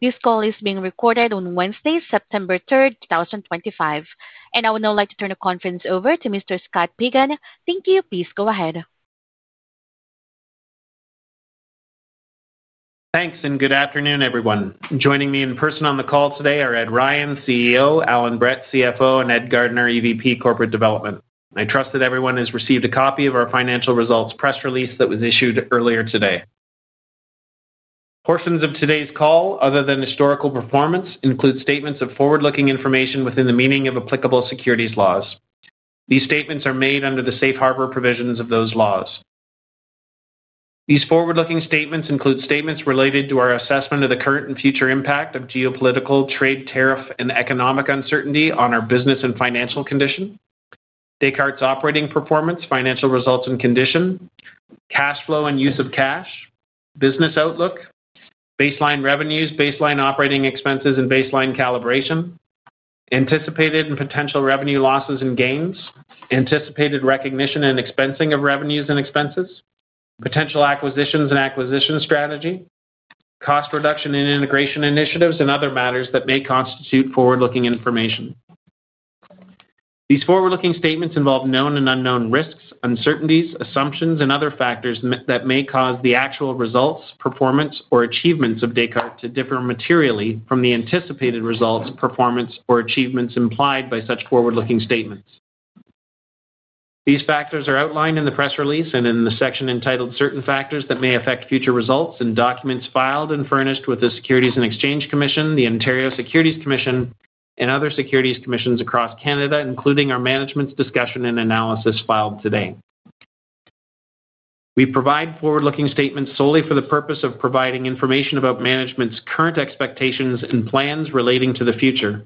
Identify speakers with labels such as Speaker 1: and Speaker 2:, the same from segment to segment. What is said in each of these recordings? Speaker 1: This call is being recorded on Wednesday, 09/03/2025. And I would now like to turn the conference over to Mr. Scott Pagan. Thank you. Please go ahead.
Speaker 2: Thanks, and good afternoon, everyone. Joining me in person on the call today are Ed Ryan, CEO Alan Brett, CFO and Ed Gardner, EVP, Corporate Development. I trust that everyone has received a copy of our financial results press release that was issued earlier today. Portions of today's call other than historical performance include statements of forward looking information within the meaning of applicable securities laws. These statements are made under the Safe Harbor provisions of those laws. These forward looking statements include statements related to our assessment of the current and future impact of geopolitical, trade, tariff and economic uncertainty on our business and financial condition Descartes' operating performance, financial results and condition cash flow and use of cash business outlook baseline revenues, baseline operating expenses and baseline calibration anticipated and potential revenue losses and gains anticipated recognition and expensing of revenues and expenses potential acquisitions and acquisition strategy cost reduction and integration initiatives and other matters that may constitute forward looking information. These forward looking statements involve known and unknown risks, uncertainties, assumptions and other factors that may cause the actual results, performance or achievements of Descartes to differ materially from the anticipated results, performance or achievements implied by such forward looking statements. These factors are outlined in the press release and in the section entitled Certain Factors That May Affect Future Results and documents filed and furnished with the Securities and Exchange Commission, the Ontario Securities Commission and other securities commissions across Canada, including our management's discussion and analysis filed today. We provide forward looking statements solely for the purpose of providing information about management's current expectations and plans relating to the future.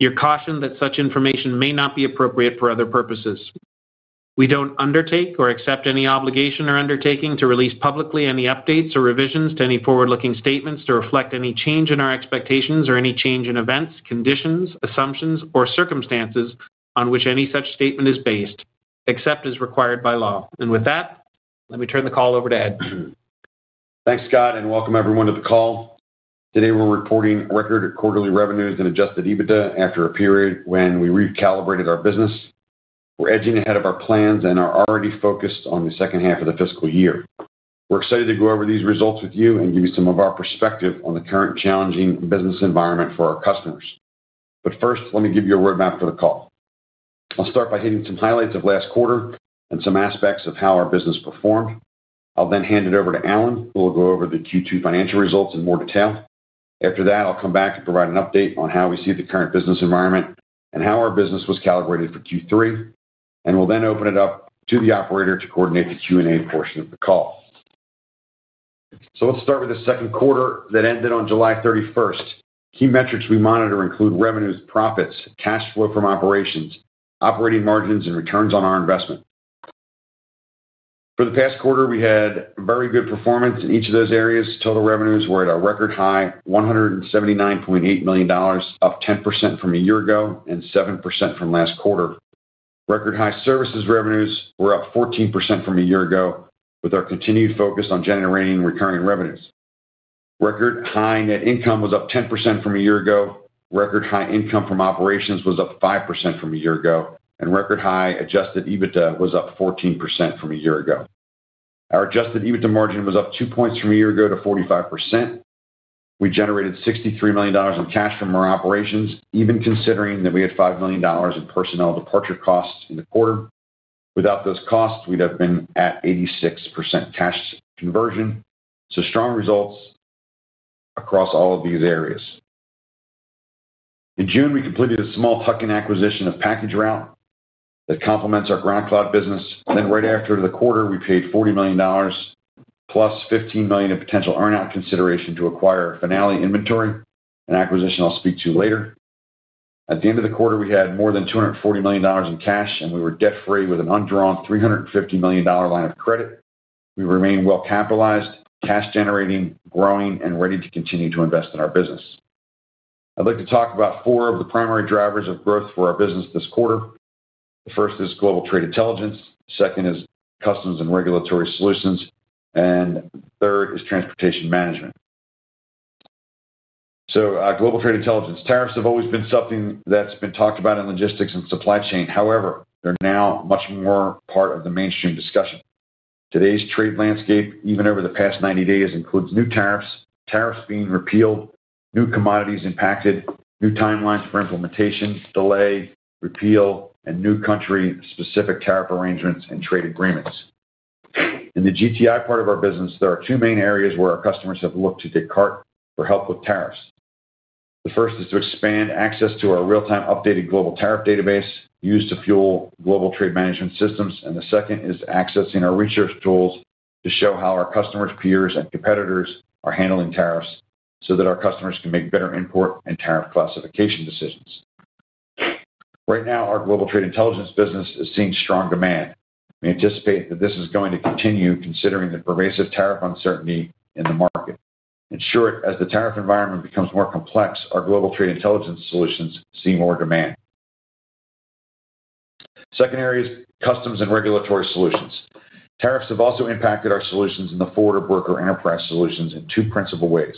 Speaker 2: You're cautioned that such information may not be appropriate for other purposes. We don't undertake or accept any obligation or undertaking to release publicly any updates or revisions to any forward looking statements to reflect any change in our expectations or any change in events, conditions, assumptions or circumstances on which any such statement is based, except as required by law. And with that, let me turn the call over to Ed.
Speaker 3: Thanks, Scott, and welcome, everyone, to the call. Today, we're reporting record quarterly revenues and adjusted EBITDA after a period when we recalibrated our business. We're edging ahead of our plans and are already focused on the second half of the fiscal year. We're excited to go over these results with you and give you some of our perspective on the current challenging business environment for our customers. But first, let me give you a roadmap for the call. I'll start by hitting some highlights of last quarter and some aspects of how our business performed. I'll then hand it over to Alan, who will go over the Q2 financial results in more detail. After that, I'll come back to provide an update on how we see the current business environment and how our business was calibrated for Q3. And we'll then open it up to the operator to coordinate the Q and A portion of the call. So let's start with the second quarter that ended on July 31. Key metrics we monitor include revenues, profits, cash flow from operations, operating margins and returns on our investment. For the past quarter, had very good performance in each of those areas. Total revenues were at a record high $179,800,000 up 10% from a year ago and 7% from last quarter. Record high services revenues were up 14% from a year ago with our continued focus on generating recurring revenues. Record high net income was up 10% from a year ago. Record high income from operations was up 5% from a year ago. And record high adjusted EBITDA was up 14% from a year ago. Our adjusted EBITDA margin was up two points from a year ago to 45. We generated $63,000,000 of cash from our operations, even considering that we had $5,000,000 in personnel departure costs in the quarter. Without those costs, we'd have been at 86% cash conversion, so strong results across all of these areas. In June, we completed a small tuck in acquisition of PackageRoute that complements our GroundCloud business. And then right after the quarter, we paid $40,000,000 plus $15,000,000 in potential earn out consideration to acquire Finale inventory, an acquisition I'll speak to later. At the end of the quarter, we had more than $240,000,000 in cash and we were debt free with an undrawn $350,000,000 line of credit. We remain well capitalized, cash generating, growing and ready to continue to invest in our business. I'd like to talk about four of the primary drivers of growth for our business this quarter. The first is Global Trade Intelligence, second is Customs and Regulatory Solutions, and third is Transportation Management. So global trade intelligence. Tariffs have always been something that's been talked about in logistics and supply chain. However, they're now much more part of the mainstream discussion. Today's trade landscape, even over the past ninety days, includes new tariffs, tariffs being repealed, new commodities impacted, new time lines for implementation, delay, repeal and new country specific tariff arrangements and trade agreements. In the GTI part of our business, there are two main areas where our customers have looked to Descartes for help with tariffs. The first is to expand access to our real time updated global tariff database used to fuel global trade management systems, and the second is accessing our research tools to show how our customers, peers, and competitors are handling tariffs so that our customers can make better import and tariff classification decisions. Right now, our Global Trade Intelligence business is seeing strong demand. We anticipate that this is going to continue considering the pervasive tariff uncertainty in the market. In short, as the tariff environment becomes more complex, our global trade intelligence solutions see more demand. Secondary is customs and regulatory solutions. Tariffs have also impacted our solutions in the forward of worker enterprise solutions in two principal ways.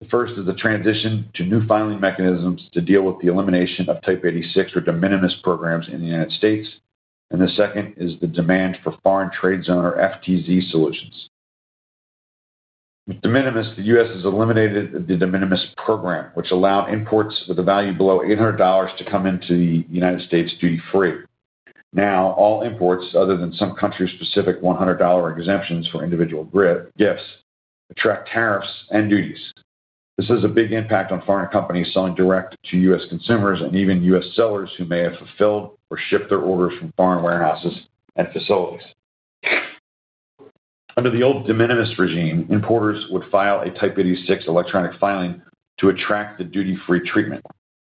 Speaker 3: The first is the transition to new filing mechanisms to deal with the elimination of Type 86 or de minimis programs in The United States and the second is the demand for Foreign Trade Zone or FTZ solutions. With de minimis, The U. S. Has eliminated the de minimis program, which allowed imports with a value below $800 to come into The United States duty free. Now all imports, other than some country specific $100 exemptions for individual gifts, attract tariffs and duties. This has a big impact on foreign companies selling direct to U. S. Consumers and even U. S. Sellers who may have fulfilled or shipped their orders from foreign warehouses and facilities. Under the old de minimis regime, importers would file a Type 86 electronic filing to attract the duty free treatment.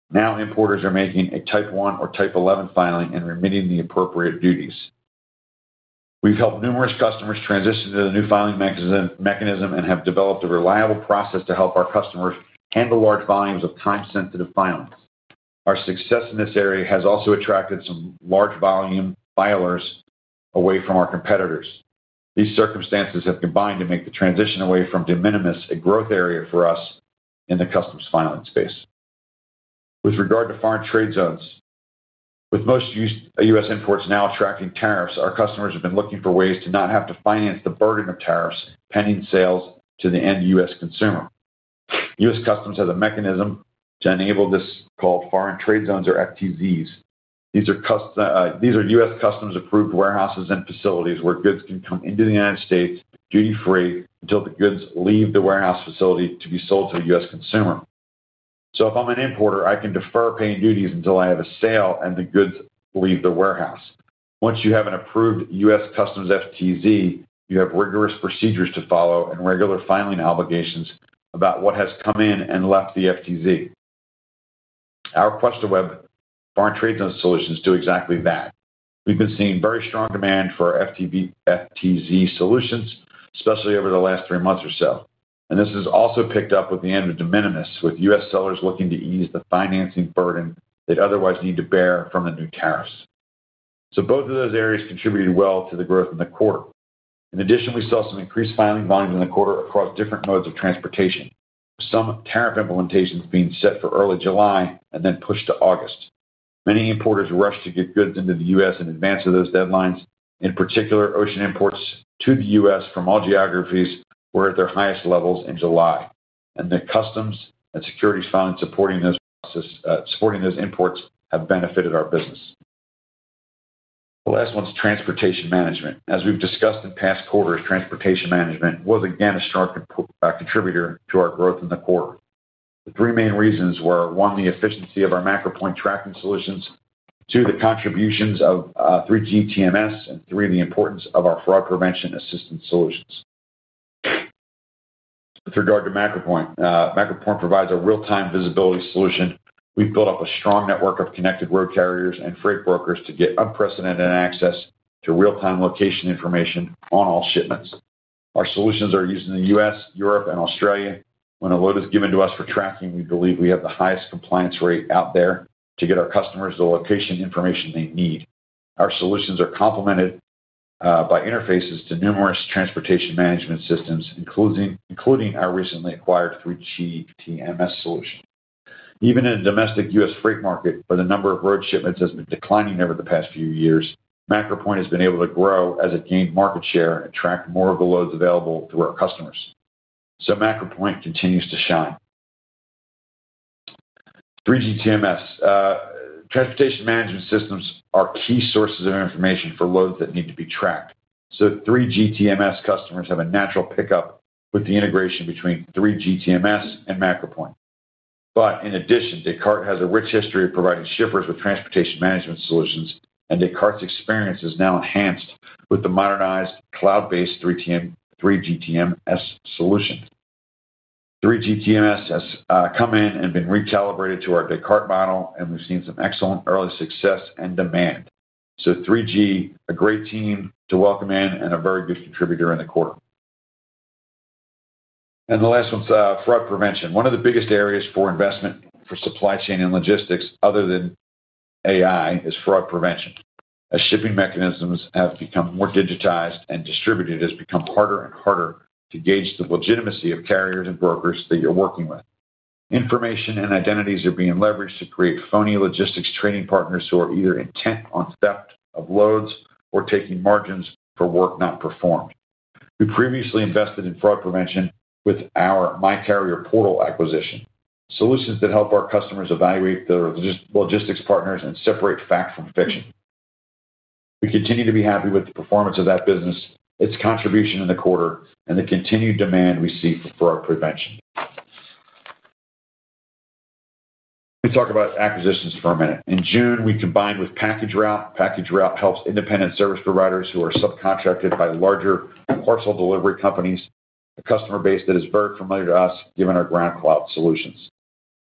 Speaker 3: Now importers are making a Type one or Type 11 filing and remitting the appropriate duties. We've helped numerous customers transition to the new filing mechanism and have developed a reliable process to help our customers handle large volumes of time sensitive filings. Our success in this area has also attracted some large volume filers away from our competitors. These circumstances have combined to make the transition away from de minimis a growth area for us in the customs filing space. With regard to foreign trade zones, with most U. S. Imports now attracting tariffs, our customers have been looking for ways to not have to finance the burden of tariffs, pending sales to the end U. S. Consumer. U. S. Customs has a mechanism to enable this called Foreign Trade Zones or FTZs. These are U. S. Customs approved warehouses and facilities where goods can come into The United States duty free until the goods leave the warehouse facility to be sold to a U. S. Consumer. So if I'm an importer, I can defer paying duties until I have a sale and the goods leave the warehouse. Once you have an approved US Customs FTZ, you have rigorous procedures to follow and regular filing obligations about what has come in and left the FTZ. Our Quest to Web foreign trade note solutions do exactly that. We've been seeing very strong demand for FTZ solutions, especially over the last three months or so. And this has also picked up with the end of de minimis, with U. S. Sellers looking to ease the financing burden they'd otherwise need to bear from the new tariffs. So both of those areas contributed well to the growth in the quarter. In addition, we saw some increased filing volumes in the quarter across different modes of transportation, with some tariff implementations being set for early July and then pushed to August. Many importers rushed to get goods into The U. S. In advance of those deadlines. In particular, ocean imports to The U. S. From all geographies were at their highest levels in July. And the customs and securities filings supporting those imports have benefited our business. The last one is transportation management. As we've discussed in past quarters, transportation management was again a strong contributor to our growth in the quarter. The three main reasons were: one, the efficiency of our MacroPoint tracking solutions two, the contributions of three gs TMS and three, the importance of our fraud prevention assistance solutions. With regard to MacroPoint, MacroPoint provides a real time visibility solution. We've built up a strong network of connected road carriers and freight brokers to get unprecedented access to real time location information on all shipments. Our solutions are used in The U. S, Europe and Australia. When a load is given to us for tracking, we believe we have the highest compliance rate out there to get our customers the location information they need. Our solutions are complemented by interfaces to numerous transportation management systems, including our recently acquired three gs TMS solution. Even in the domestic U. Freight market, where the number of road shipments has been declining over the past few years, MacroPoint has been able to grow as it gained market share and attract more of the loads available to our customers. So MacroPoint continues to shine. 3GTMS. Transportation management systems are key sources of information for loads that need to be tracked. So 3GTMS customers have a natural pickup with the integration between three GTMS and MacroPoint. But in addition, Descartes has a rich history of providing shippers with transportation management solutions, and Descartes' experience is now enhanced with the modernized cloud based 3GTMS solution. 3GTMS has come in and been recalibrated to our Descartes model, and we've seen some excellent early success and demand. So three gs, a great team to welcome in and a very good contributor in the quarter. And the last one is fraud prevention. One of the biggest areas for investment for supply chain and logistics other than AI is fraud prevention. As shipping mechanisms have become more digitized and distributed, it has become harder and harder to gauge the legitimacy of carriers and brokers that you are working with. Information and identities are being leveraged to create phony logistics training partners who are either intent on theft of loads or taking margins for work not performed. We previously invested in fraud prevention with our MyCarrier Portal acquisition, solutions that help our customers evaluate their logistics partners and separate fact from fiction. We continue to be happy with the performance of that business, its contribution in the quarter and the continued demand we see for our prevention. Let me talk about acquisitions for a minute. In June, we combined with Package Route. Package Route helps independent service providers who are subcontracted by larger parcel delivery companies, a customer base that is very familiar to us given our ground cloud solutions.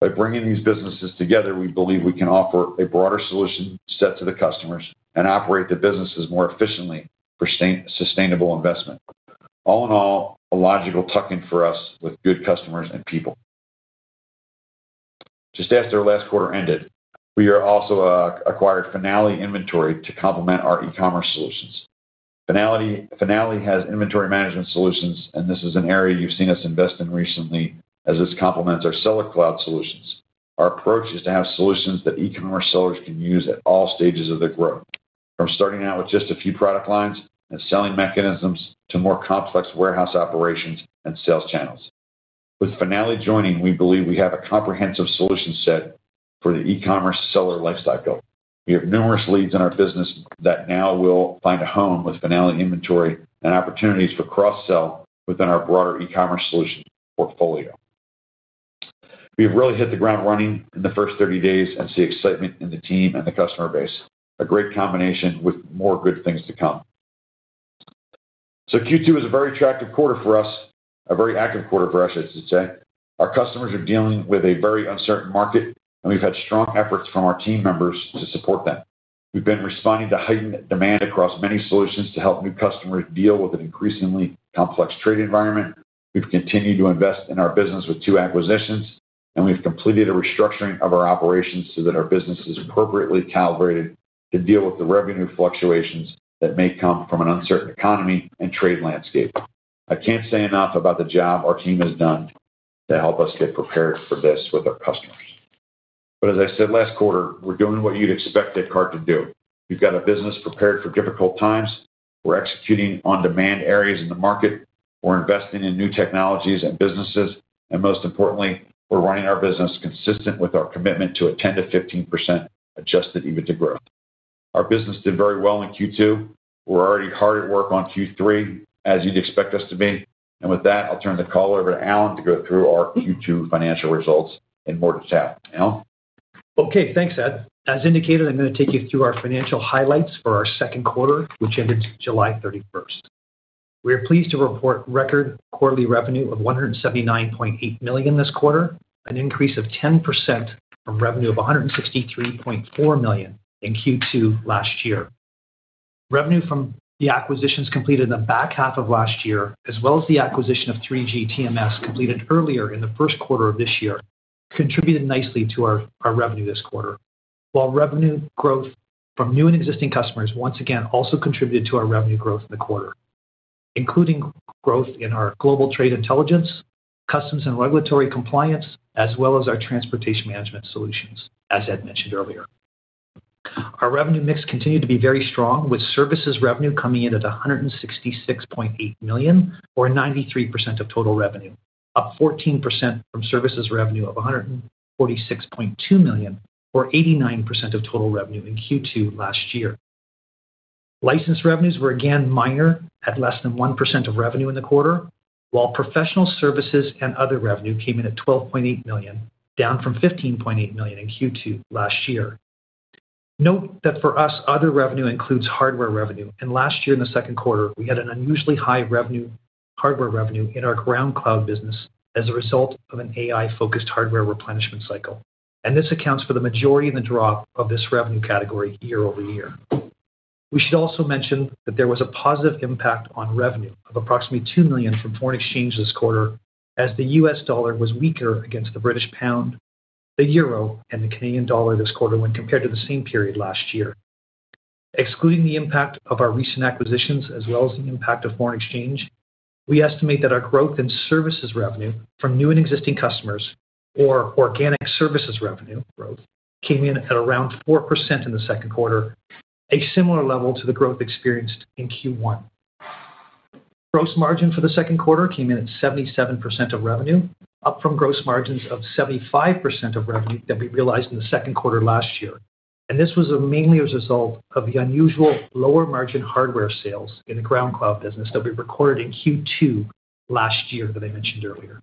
Speaker 3: By bringing these businesses together, we believe we can offer a broader solution set to the customers and operate the businesses more efficiently for sustainable investment. All in all, a logical tuck in for us with good customers and people. Just after last quarter ended, we also acquired Finale Inventory to complement our e commerce solutions. Finale has inventory management solutions and this is an area you've seen us invest in recently as this complements our Seller Cloud solutions. Our approach is to have solutions that e commerce sellers can use at all stages of their growth, from starting out with just a few product lines and selling mechanisms to more complex warehouse operations and sales channels. With Finale joining, we believe we have a comprehensive solution set for the e commerce seller lifecycle. We have numerous leads in our business that now will find a home with Finale inventory and opportunities for cross sell within our broader e commerce solution portfolio. We have really hit the ground running in the first thirty days and see excitement in the team and the customer base, a great combination with more good things to come. So q two is a very attractive quarter for us, a very active quarter for us, I should say. Our customers are dealing with a very uncertain market, and we've had strong efforts from our team members to support them. We've been responding to heightened demand across many solutions to help new customers deal with an increasingly complex trade environment. We've continued to invest in our business with two acquisitions. And we've completed a restructuring of our operations so that our business is appropriately calibrated to deal with the revenue fluctuations that may come from an uncertain economy and trade landscape. I can't say enough about the job our team has done to help us get prepared for this with our customers. But as I said last quarter, we're doing what you'd expect Ed Card to do. We've got a business prepared for difficult times. We're executing on demand areas in the market. We're investing in new technologies and businesses. And most importantly, we're running our business consistent with our commitment to a 10 to 15% adjusted EBITDA growth. Our business did very well in Q2. We're already hard at work on Q3, as you'd expect us to be. And with that, I'll turn the call over to Alan to go through our Q2 financial results in more detail. Alan?
Speaker 4: Okay. Thanks, Ed. As indicated, I'm going to take you through our financial highlights for our second quarter, which ended July 31. We are pleased to report record quarterly revenue of $179,800,000 this quarter, an increase of 10% from revenue of $163,400,000 in Q2 last year. Revenue from the acquisitions completed in the back half of last year as well as the acquisition of three gs TMS completed earlier in the first quarter of this year contributed nicely to our revenue this quarter, while revenue growth from new and existing customers once again also contributed to our revenue growth in the quarter, including growth in our global trade intelligence, Customs and Regulatory Compliance, as well as our Transportation Management solutions, as Ed mentioned earlier. Our revenue mix continued to be very strong, with services revenue coming in at $166,800,000 or 93% of total revenue, up 14% from services revenue of $146,200,000 or 89% of total revenue in Q2 last year. License revenues were again minor at less than 1% of revenue in the quarter, while professional services and other revenue came in at $12,800,000 down from $15,800,000 in Q2 last year. Note that for us, revenue includes hardware revenue. And last year in the second quarter, we had an unusually high hardware revenue in our ground cloud business as a result of an AI focused hardware replenishment cycle. And this accounts for the majority of the drop of this revenue category year over year. We should also mention that there was a positive impact on revenue of approximately $2,000,000 from foreign exchange this quarter, as the U. S. Dollar was weaker against the British pound, the euro and the Canadian dollar this quarter when compared to the same period last year. Excluding the impact of our recent acquisitions as well as the impact of foreign exchange, we estimate that our growth in services revenue from new and existing customers, or organic services revenue growth, came in at around 4% in the second quarter, a similar level to the growth experienced in Q1. Gross margin for the second quarter came in at 77% of revenue, up from gross margins of 75% of revenue that we realized in the second quarter last year. And this was mainly as a result of the unusual lower margin hardware sales in the ground cloud business that we recorded in Q2 last year that I mentioned earlier.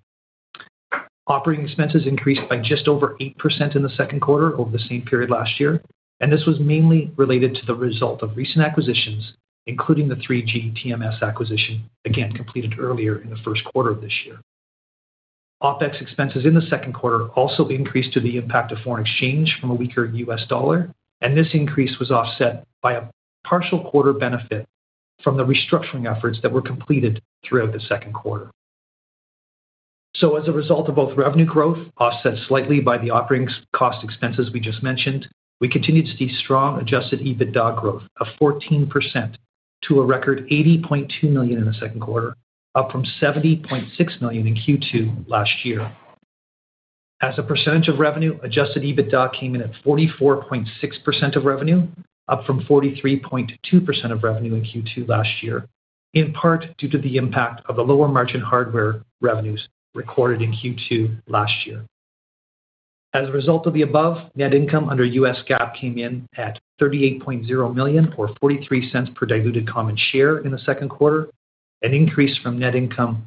Speaker 4: Operating expenses increased by just over 8% in the second quarter over the same period last year, and this was mainly related to the result of recent acquisitions, including the three gs TMS acquisition, again completed earlier in the first quarter of this year. OpEx expenses in the second quarter also increased to the impact of foreign exchange from a weaker U. S. Dollar, and this increase was offset by a partial quarter benefit from the restructuring efforts that were completed throughout the second quarter. So as a result of both revenue growth, offset slightly by the operating cost expenses we just mentioned, we continued to see strong adjusted EBITDA growth of 14% to a record $80,200,000 in the second quarter, up from $70,600,000 in Q2 last year. As a percentage of revenue, adjusted EBITDA came in at 44.6% of revenue, up from 43.2% of revenue in Q2 last year, in part due to the impact of the lower margin hardware revenues recorded in Q2 last year. As a result of the above, net income under U. S. GAAP came in at $38,000,000 or $0.43 per diluted common share in the second quarter, an increase from net income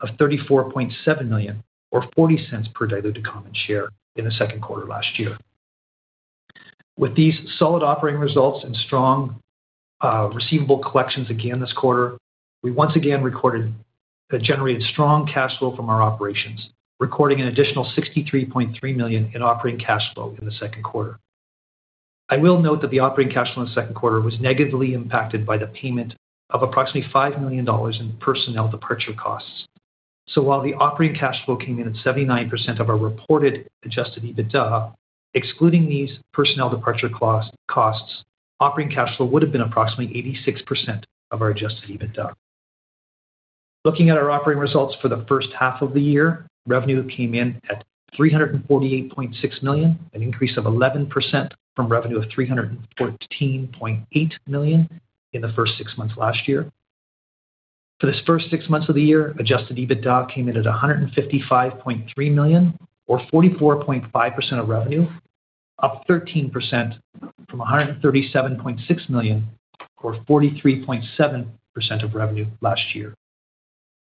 Speaker 4: of $34,700,000 or $0.40 per diluted common share in the second quarter last year. With these solid operating results and strong receivable collections again this quarter, we once again recorded generated strong cash flow from our operations, recording an additional $63,300,000 in operating cash flow in the second quarter. I will note that the operating cash flow in the second quarter was negatively impacted by the payment of approximately $5,000,000 in personnel departure costs. So while the operating cash flow came in at 79% of our reported adjusted EBITDA, Excluding these personnel departure costs, operating cash flow would have been approximately 86% of our adjusted EBITDA. Looking at our operating results for the first half of the year, revenue came in at $348,600,000 an increase of 11% from revenue of $314,800,000 in the first six months last year. For the first six months of the year, adjusted EBITDA came in at $155,300,000 or 44.5% of revenue, up 13% from 137,600,000 or 43.7% of revenue last year.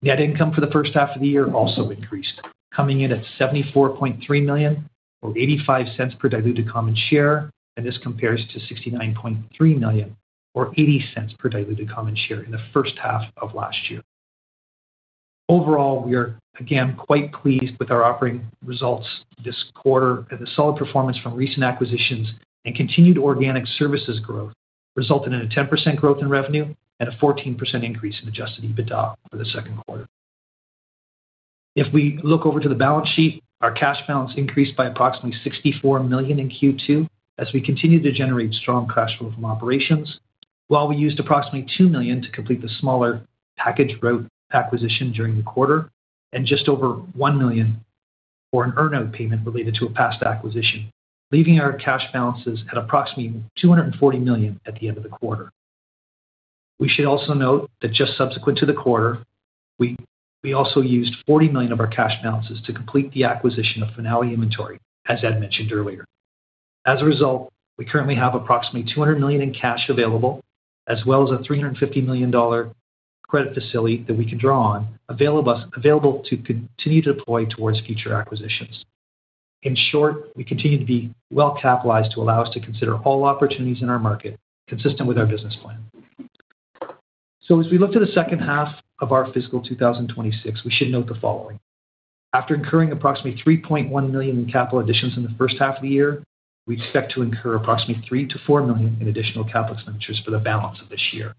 Speaker 4: Net income for the first half of the year also increased, coming in at $74,300,000 or $0.85 per diluted common share, and this compares to $69,300,000 or $0.80 per diluted common share in the first half of last year. Overall, we are again quite pleased with our operating results this quarter as the solid performance from recent acquisitions and continued organic services growth resulted in a 10% growth in revenue and a 14% increase in adjusted EBITDA for the second quarter. If we look over to the balance sheet, our cash balance increased by approximately $64,000,000 in Q2 as we continued to generate strong cash flow from operations, while we used approximately $2,000,000 to complete the smaller Packaged Road acquisition during the quarter and just over $1,000,000 for an earn out payment related to a past acquisition, leaving our cash balances at approximately $240,000,000 at the end of the quarter. We should also note that just subsequent to the quarter, we also used $40,000,000 of our cash balances to complete the acquisition of Finale inventory, as Ed mentioned earlier. As a result, we currently have approximately $200,000,000 in cash available as well as a $350,000,000 credit facility that we can draw on available to continue to deploy towards future acquisitions. In short, we continue to be well capitalized to allow us to consider all opportunities in our market, consistent with our business plan. So as we look to the second half of our fiscal twenty twenty six, we should note the following: After incurring approximately $3,100,000 in capital additions in the first half of the year, we expect to incur approximately 3,000,000 to $4,000,000 in additional capital expenditures for the balance of this year.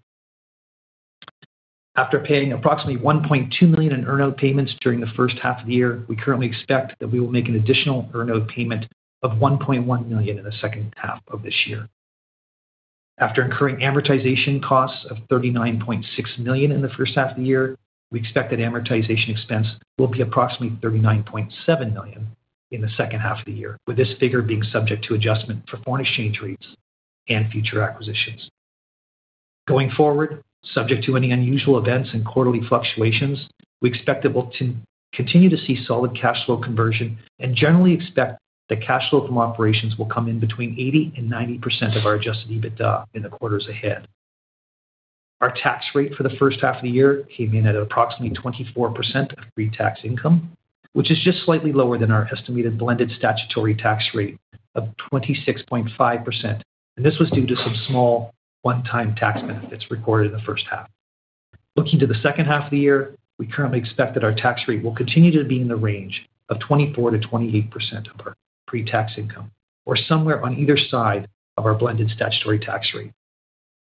Speaker 4: After paying approximately 1,200,000 in earn out payments during the first half of the year, we currently expect that we will make an additional earn out payment of $1,100,000 in the second half of this year. After incurring amortization costs of $39,600,000 in the first half of the year, we expect that amortization expense will be approximately $39,700,000 in the second half of the year, with this figure being subject to adjustment for foreign exchange rates and future acquisitions. Going forward, subject to any unusual events and quarterly fluctuations, we expect that we'll continue to see solid cash flow conversion and generally expect that cash flow from operations will come in between 8090% of our adjusted EBITDA in the quarters ahead. Our tax rate for the first half of the year came in at approximately 24% of pretax income, which is just slightly lower than our estimated blended statutory tax rate of 26.5%, and this was due to some small one time tax benefits recorded in the first half. Looking to the second half of the year, we currently expect that our tax rate will continue to be in the range of 24% to 28% of our pretax income, or somewhere on either side of our blended statutory tax rate.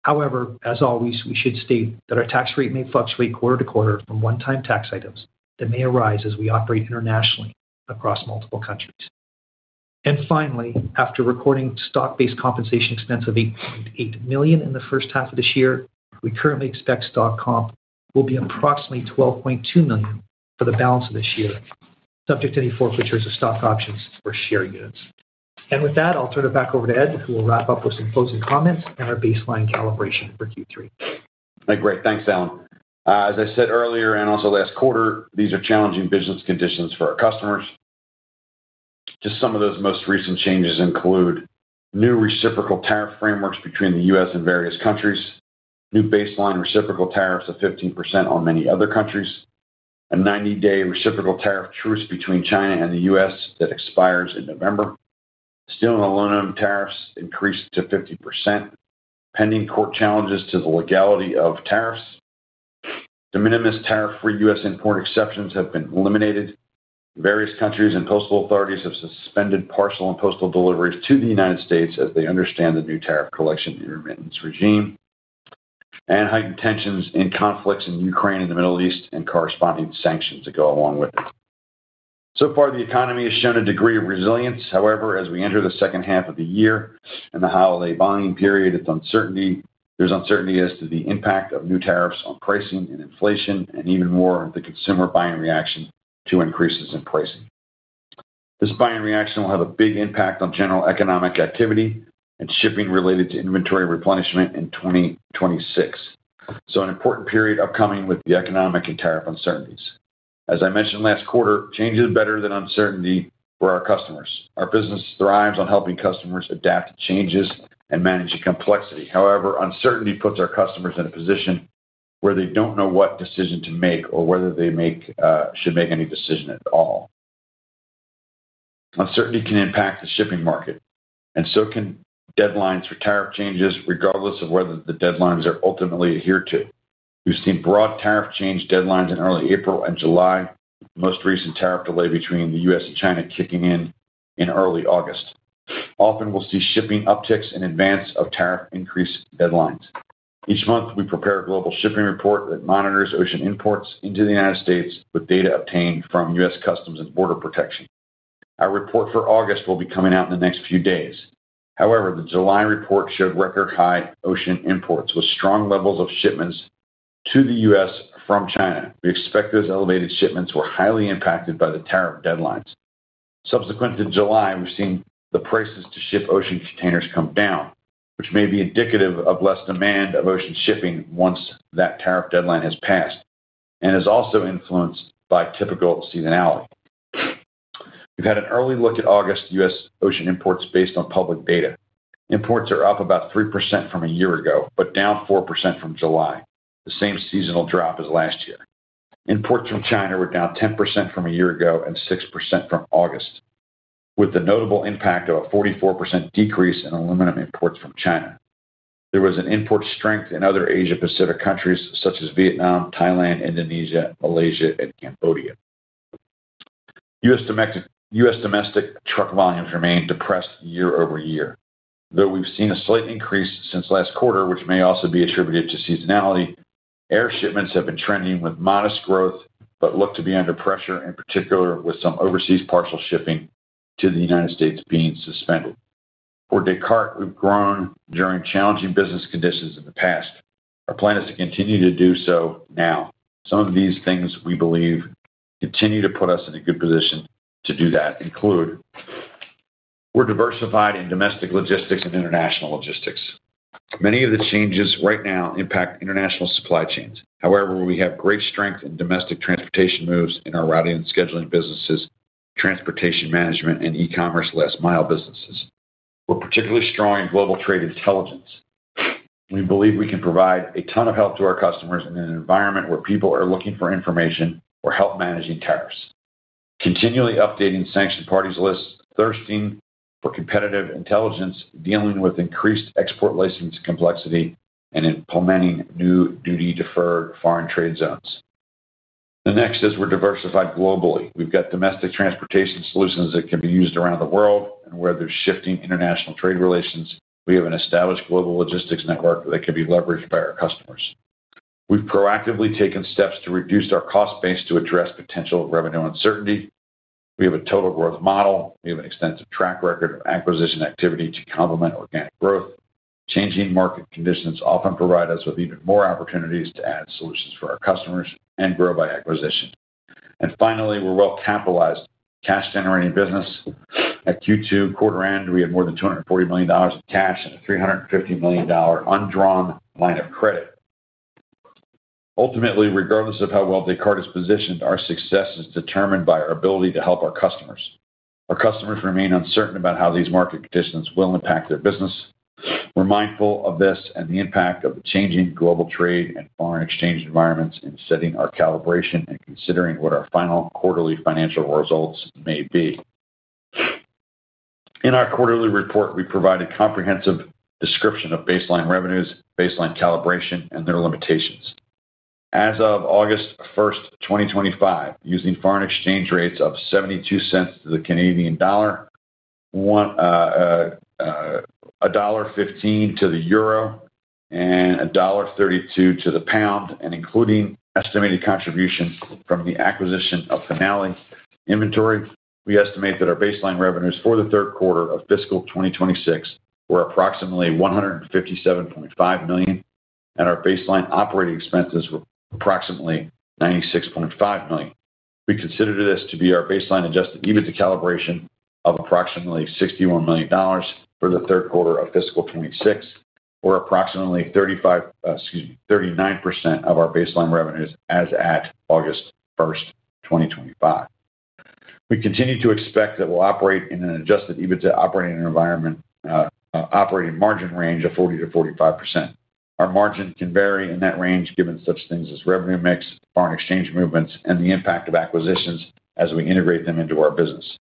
Speaker 4: However, as always, we should state that our tax rate may fluctuate quarter to quarter from one time tax items that may arise as we operate internationally across multiple countries. And finally, after recording stock based compensation expense of $8,800,000 in the first half of this year, we currently expect stock comp will be approximately $12,200,000 for the balance of this year, subject to any forfeitures of stock options or share units. And with that, I'll turn it back over to Ed, who will wrap up with some closing comments and our baseline calibration for Q3.
Speaker 3: Great. Thanks, Alan. As I said earlier and also last quarter, these are challenging business conditions for our customers. Just some of those most recent changes include new reciprocal tariff frameworks between The U. S. And various countries, new baseline reciprocal tariffs of 15% on many other countries, a ninety day reciprocal tariff truce between China and The U. S. That expires in November. Steel and aluminum tariffs increased to 50%. Pending court challenges to the legality of tariffs. De minimis tariff free U. S. Import exceptions have been eliminated. Various countries and postal authorities have suspended parcel and postal deliveries to The United States as they understand the new tariff collection and remittance regime. And heightened tensions in conflicts in Ukraine and The Middle East and corresponding sanctions that go along with So far, economy has shown a degree of resilience. However, as we enter the second half of the year and the holiday volume period, there's uncertainty as to the impact of new tariffs on pricing and inflation and even more of the consumer buying reaction to increases in pricing. This buying reaction will have a big impact on general economic activity and shipping related to inventory replenishment in 2026, so an important period upcoming with the economic and tariff uncertainties. As I mentioned last quarter, change is better than uncertainty for our customers. Our business thrives on helping customers adapt to changes and manage the complexity. However, uncertainty puts our customers in a position where they don't know what decision to make or whether they make decision at all. Uncertainty can impact the shipping market, and so can deadlines for tariff changes regardless of whether the deadlines are ultimately adhered to. We've seen broad tariff change deadlines in early April and July, with the most recent tariff delay between The U. S. And China kicking in early August. Often we'll see shipping upticks in advance of tariff increase deadlines. Each month we prepare a global shipping report that monitors ocean imports into The United States with data obtained from U. S. Customs and Border Protection. Our report for August will be coming out in the next few days. However, the July report showed record high ocean imports with strong levels of shipments to The U. S. From China. We expect those elevated shipments were highly impacted by the tariff deadlines. Subsequent to July, we've seen the prices to ship ocean containers come down, which may be indicative of less demand of ocean shipping once that tariff deadline has passed, and is also influenced by typical seasonality. We've had an early look at August US ocean imports based on public data. Imports are up about 3% from a year ago, but down 4% from July, the same seasonal drop as last year. Imports from China were down 10% from a year ago and 6% from August, with the notable impact of a 44% decrease in aluminum imports from China. There was an import strength in other Asia Pacific countries such as Vietnam, Thailand, Indonesia, Malaysia and Cambodia. U. Domestic truck volumes remained depressed year over year, Though we've seen a slight increase since last quarter, which may also be attributed to seasonality, air shipments have been trending with modest growth, but look to be under pressure in particular with some overseas partial shipping to The United States being suspended. For Descartes, we've grown during challenging business conditions in the past. Our plan is to continue to do so now. Some of these things, we believe, continue to put us in a good position to do that include: We're diversified in domestic logistics and international logistics. Many of the changes right now impact international supply chains. However, we have great strength in domestic transportation moves in our routing and scheduling businesses, transportation management and e commerce last mile businesses. We are particularly strong in global trade intelligence. We believe we can provide a ton of help to our customers in an environment where people are looking for information or help managing tariffs. Continually updating sanctioned parties' lists, thirsting for competitive intelligence, dealing with increased export license complexity, and implementing new duty deferred foreign trade zones. The next is we are diversified globally. We have got domestic transportation solutions that can be used around the world and where there is shifting international trade relations, we have an established global logistics network that can be leveraged by our customers. We have proactively taken steps to reduce our cost base to address potential revenue uncertainty. We have a total growth model. We have an extensive track record of acquisition activity to complement organic growth. Changing market conditions often provide us with even more opportunities to add solutions for our customers and grow by acquisition. And finally, we are well capitalized cash generating business. At Q2 quarter end, had more than $240,000,000 of cash and a $350,000,000 undrawn line of credit. Ultimately, regardless of how well Descartes is positioned, our success is determined by our ability to help our customers. Our customers remain uncertain about how these market conditions will impact their business. We are mindful of this and the impact of the changing global trade and foreign exchange environments in setting our calibration and considering what our final quarterly financial results may be. In our quarterly report, we provide a comprehensive description of baseline revenues, baseline calibration and their limitations. As of 08/01/2025, using foreign exchange rates of $0.72 to the Canadian dollar, dollars 1.15 to the Euro, and $1.32 to the pound. And including estimated contributions from the acquisition of Finale inventory, we estimate that our baseline revenues for the 2026 were approximately $157,500,000 and our baseline operating expenses were approximately $96,500,000 We consider this to be our baseline adjusted EBITDA calibration of approximately $61,000,000 for the 2026 or approximately 39% of our baseline revenues as at 08/01/2025. We continue to expect that we will operate in an adjusted EBITDA operating margin range of 40% to 45%. Our margin can vary in that range given such things as revenue mix, foreign exchange movements and the impact of acquisitions as we integrate them into our business.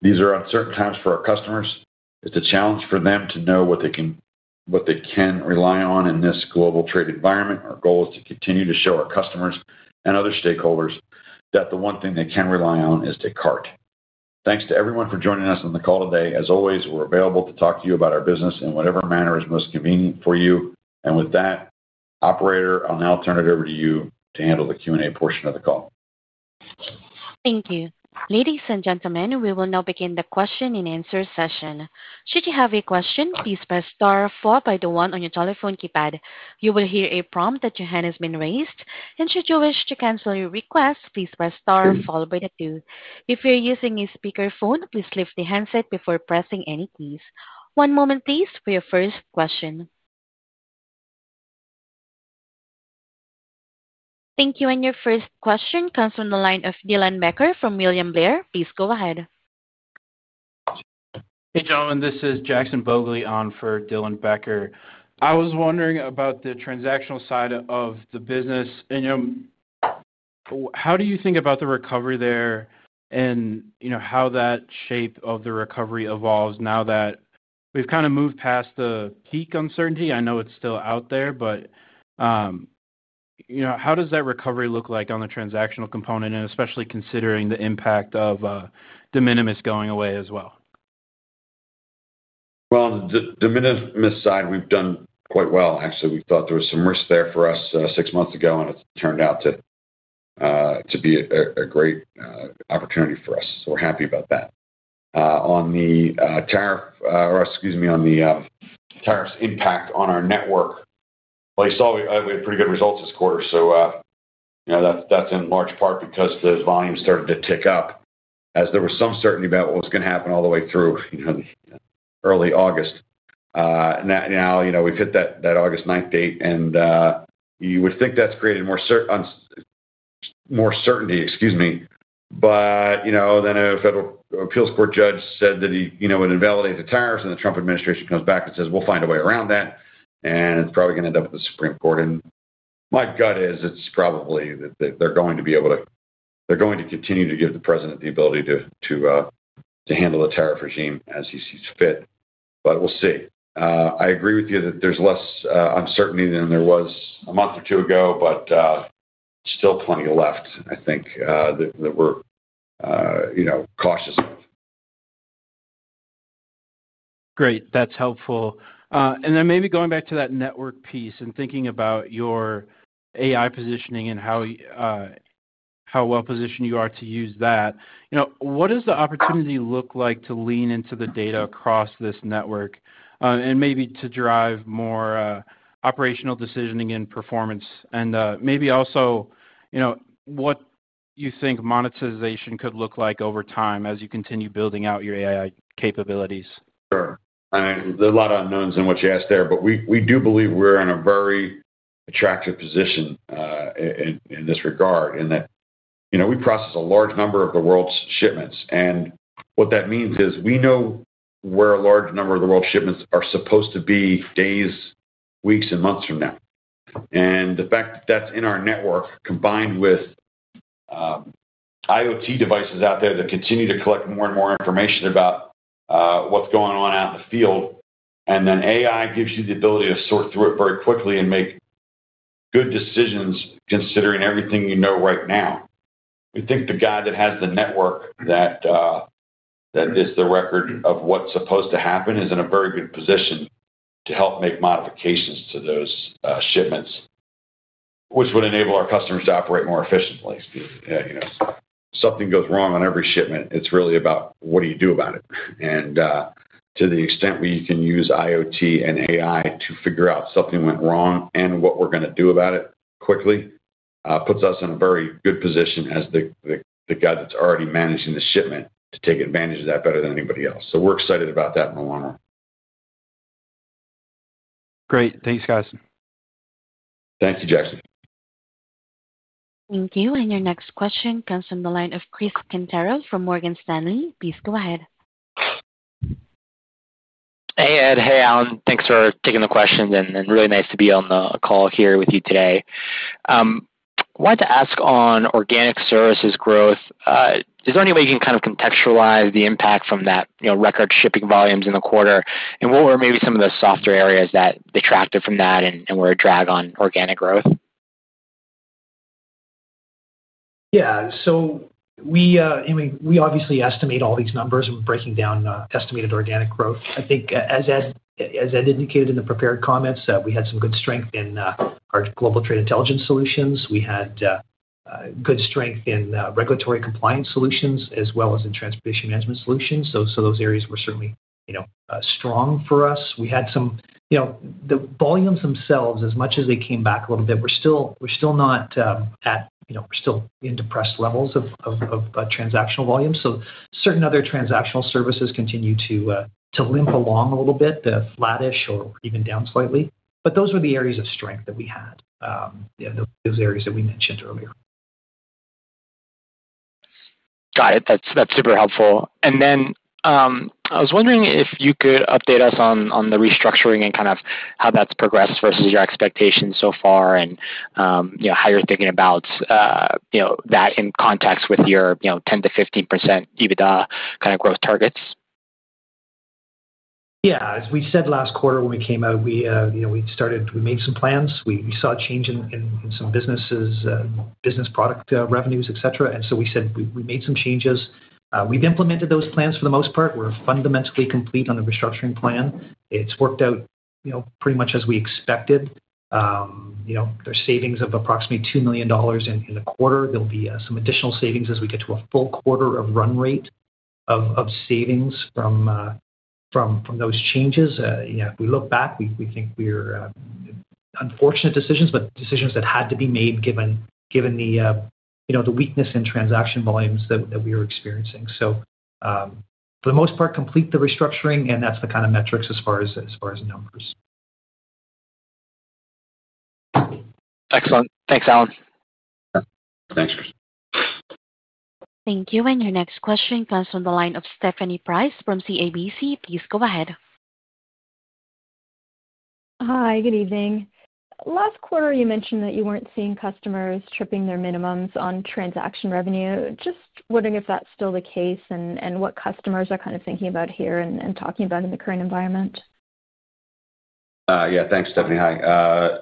Speaker 3: These are uncertain times for our customers. It's a challenge for them to know what they can rely on in this global trade environment. Our goal is to continue to show our customers and other stakeholders that the one thing they can rely on is to CART. Thanks to everyone for joining us on the call today. As always, we are available to talk to you about our business in whatever manner is most convenient for you. And with that, operator, I'll now turn it over to you to handle the Q and A portion of the call.
Speaker 1: Thank you. Ladies and gentlemen, we will now begin the question and answer session. Thank you. And your first question comes from the line of Dylan Becker from William Blair. Please go ahead.
Speaker 5: Hey, gentlemen. This is Jackson Bogle on for Dylan Becker. I was wondering about the transactional side of the business. How do you think about the recovery there? And how that shape of the recovery evolves now that we've kind of moved past the peak uncertainty. I know it's still out there, but how does that recovery look like on the transactional component and especially considering the impact of de minimis going away as well?
Speaker 3: Well, de minimis side, we've done quite well. Actually, we thought there was some risk there for us six months ago and it turned out to be a great opportunity for us. So we're happy about that. On the tariff or excuse me, on the tariffs impact on our network, well, you saw we had pretty good results this quarter. So that's in large part because the volume started to tick up as there was some certainty about what was gonna happen all the way through, you know, early August. And that now, you know, we've hit that that August 9 date, and you would think that's created more cert more certainty. Excuse me. But, you know, then a federal appeals court judge said that he, you know, it invalidates the tariffs, and the Trump administration comes back and says, we'll find a way around that. And it's probably gonna end up with the Supreme Court. And my gut is it's probably that they're going to be able to they're going to continue to give the president the ability to handle the tariff regime as he sees fit. But we'll see. I agree with you that there's less uncertainty than there was a month or two ago, but still plenty left, I think, we're cautious of.
Speaker 5: Great. That's helpful. And then maybe going back to that network piece and thinking about your AI positioning and how well positioned you are to use that. What does the opportunity look like to lean into the data across this network and maybe to drive more operational decisioning and performance. And, maybe also, you know, what you think monetization could look like over time as you continue building out your AI capabilities.
Speaker 3: Sure. I mean, there are a lot of unknowns in what you asked there, but we we do believe we're in a very attractive position in in this regard. And that, you know, we process a large number of the world's shipments. And what that means is we know where a large number of the world's shipments are supposed to be days, weeks, and months from now. And the fact that that's in our network combined with IoT devices out there that continue to collect more and more information about what's going on out in the field. And then AI gives you the ability to sort through it very quickly and make good decisions considering everything you know right now. We think the guy that has the network that that is the record of what's supposed to happen is in a very good position to help make modifications to those shipments, which would enable our customers to operate more efficiently. You know? Something goes wrong on every shipment. It's really about what do you do about it. And to the extent we can use IoT and AI to figure out something went wrong and what we're gonna do about it quickly, puts us in a very good position as the the the guy that's already managing the shipment to take advantage of that better than anybody else. So we're excited about that in the long run.
Speaker 5: Great. Thanks guys.
Speaker 3: Thank you, Jackson.
Speaker 1: Thank you. And your next question comes from the line of Chris Cantero from Morgan Stanley. Please go ahead.
Speaker 6: Hey, Ed. Hey, Alan. Thanks for taking the questions and really nice to be on the call here with you today. I wanted to ask on organic services growth. Is there any way you can kind of contextualize the impact from that record shipping volumes in the quarter? And what were maybe some of the softer areas that detracted from that and were a drag on organic growth?
Speaker 4: Yes. So we obviously estimate all these numbers in breaking down estimated organic growth. I think as Ed indicated in the prepared comments, we had some good strength in our Global Trade Intelligence solutions. We had good strength in regulatory compliance solutions as well as in transportation management solutions. So those areas were certainly strong for us. We had some the volumes themselves, as much as they came back a little bit, we're still not at we're still in depressed levels of transactional volumes. So certain other transactional services continue to limp along a little bit, flattish or even down slightly. But those were the areas of strength that we had, those areas that we mentioned earlier.
Speaker 6: Got it. That's super helpful. And then I was wondering if you could update us on the restructuring and kind of how that's progressed versus your expectations so far and how you're thinking about that in context with your 10% to 15% EBITDA kind of growth targets?
Speaker 4: Yes. As we said last quarter when we came out, we made some plans. We saw a change in some businesses business product revenues, etcetera. And so we said we made some changes. We've implemented those plans for the most part. We're fundamentally complete on the restructuring plan. It's worked out pretty much as we expected. There are savings of approximately $2,000,000 in the quarter. There'll be some additional savings as we get to a full quarter of run rate of savings from those changes. If we look back, we think we're unfortunate decisions, but decisions that had to be made given the weakness in transaction volumes that we are experiencing. So for the most part, complete the restructuring, and that's the kind of metrics as far as numbers.
Speaker 6: Excellent. Thanks, Alan.
Speaker 4: Thanks, Chris.
Speaker 1: Thank you. And your next question comes from the line of Stephanie Price from CIBC. Please go ahead.
Speaker 7: Hi, good evening. Last quarter, you mentioned that you weren't seeing customers tripping their minimums on transaction revenue. Just wondering if that's still the case and and what customers are kind of thinking about here and and talking about in the current environment?
Speaker 3: Yeah. Thanks, Stephanie. Hi.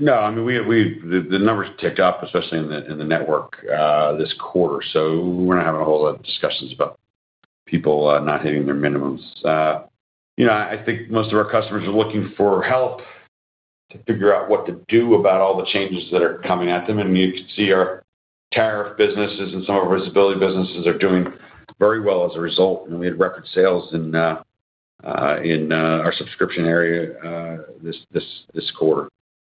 Speaker 3: No. I mean, we we the the numbers ticked up especially in the in the network this quarter. So we're not having a whole lot of discussions about people not hitting their minimums. You know, I think most of our customers are looking for help to figure out what to do about all the changes that are coming at them. And you could see our tariff businesses and some of our visibility businesses are doing very well as a result. And we had record sales in in our subscription area this this this quarter.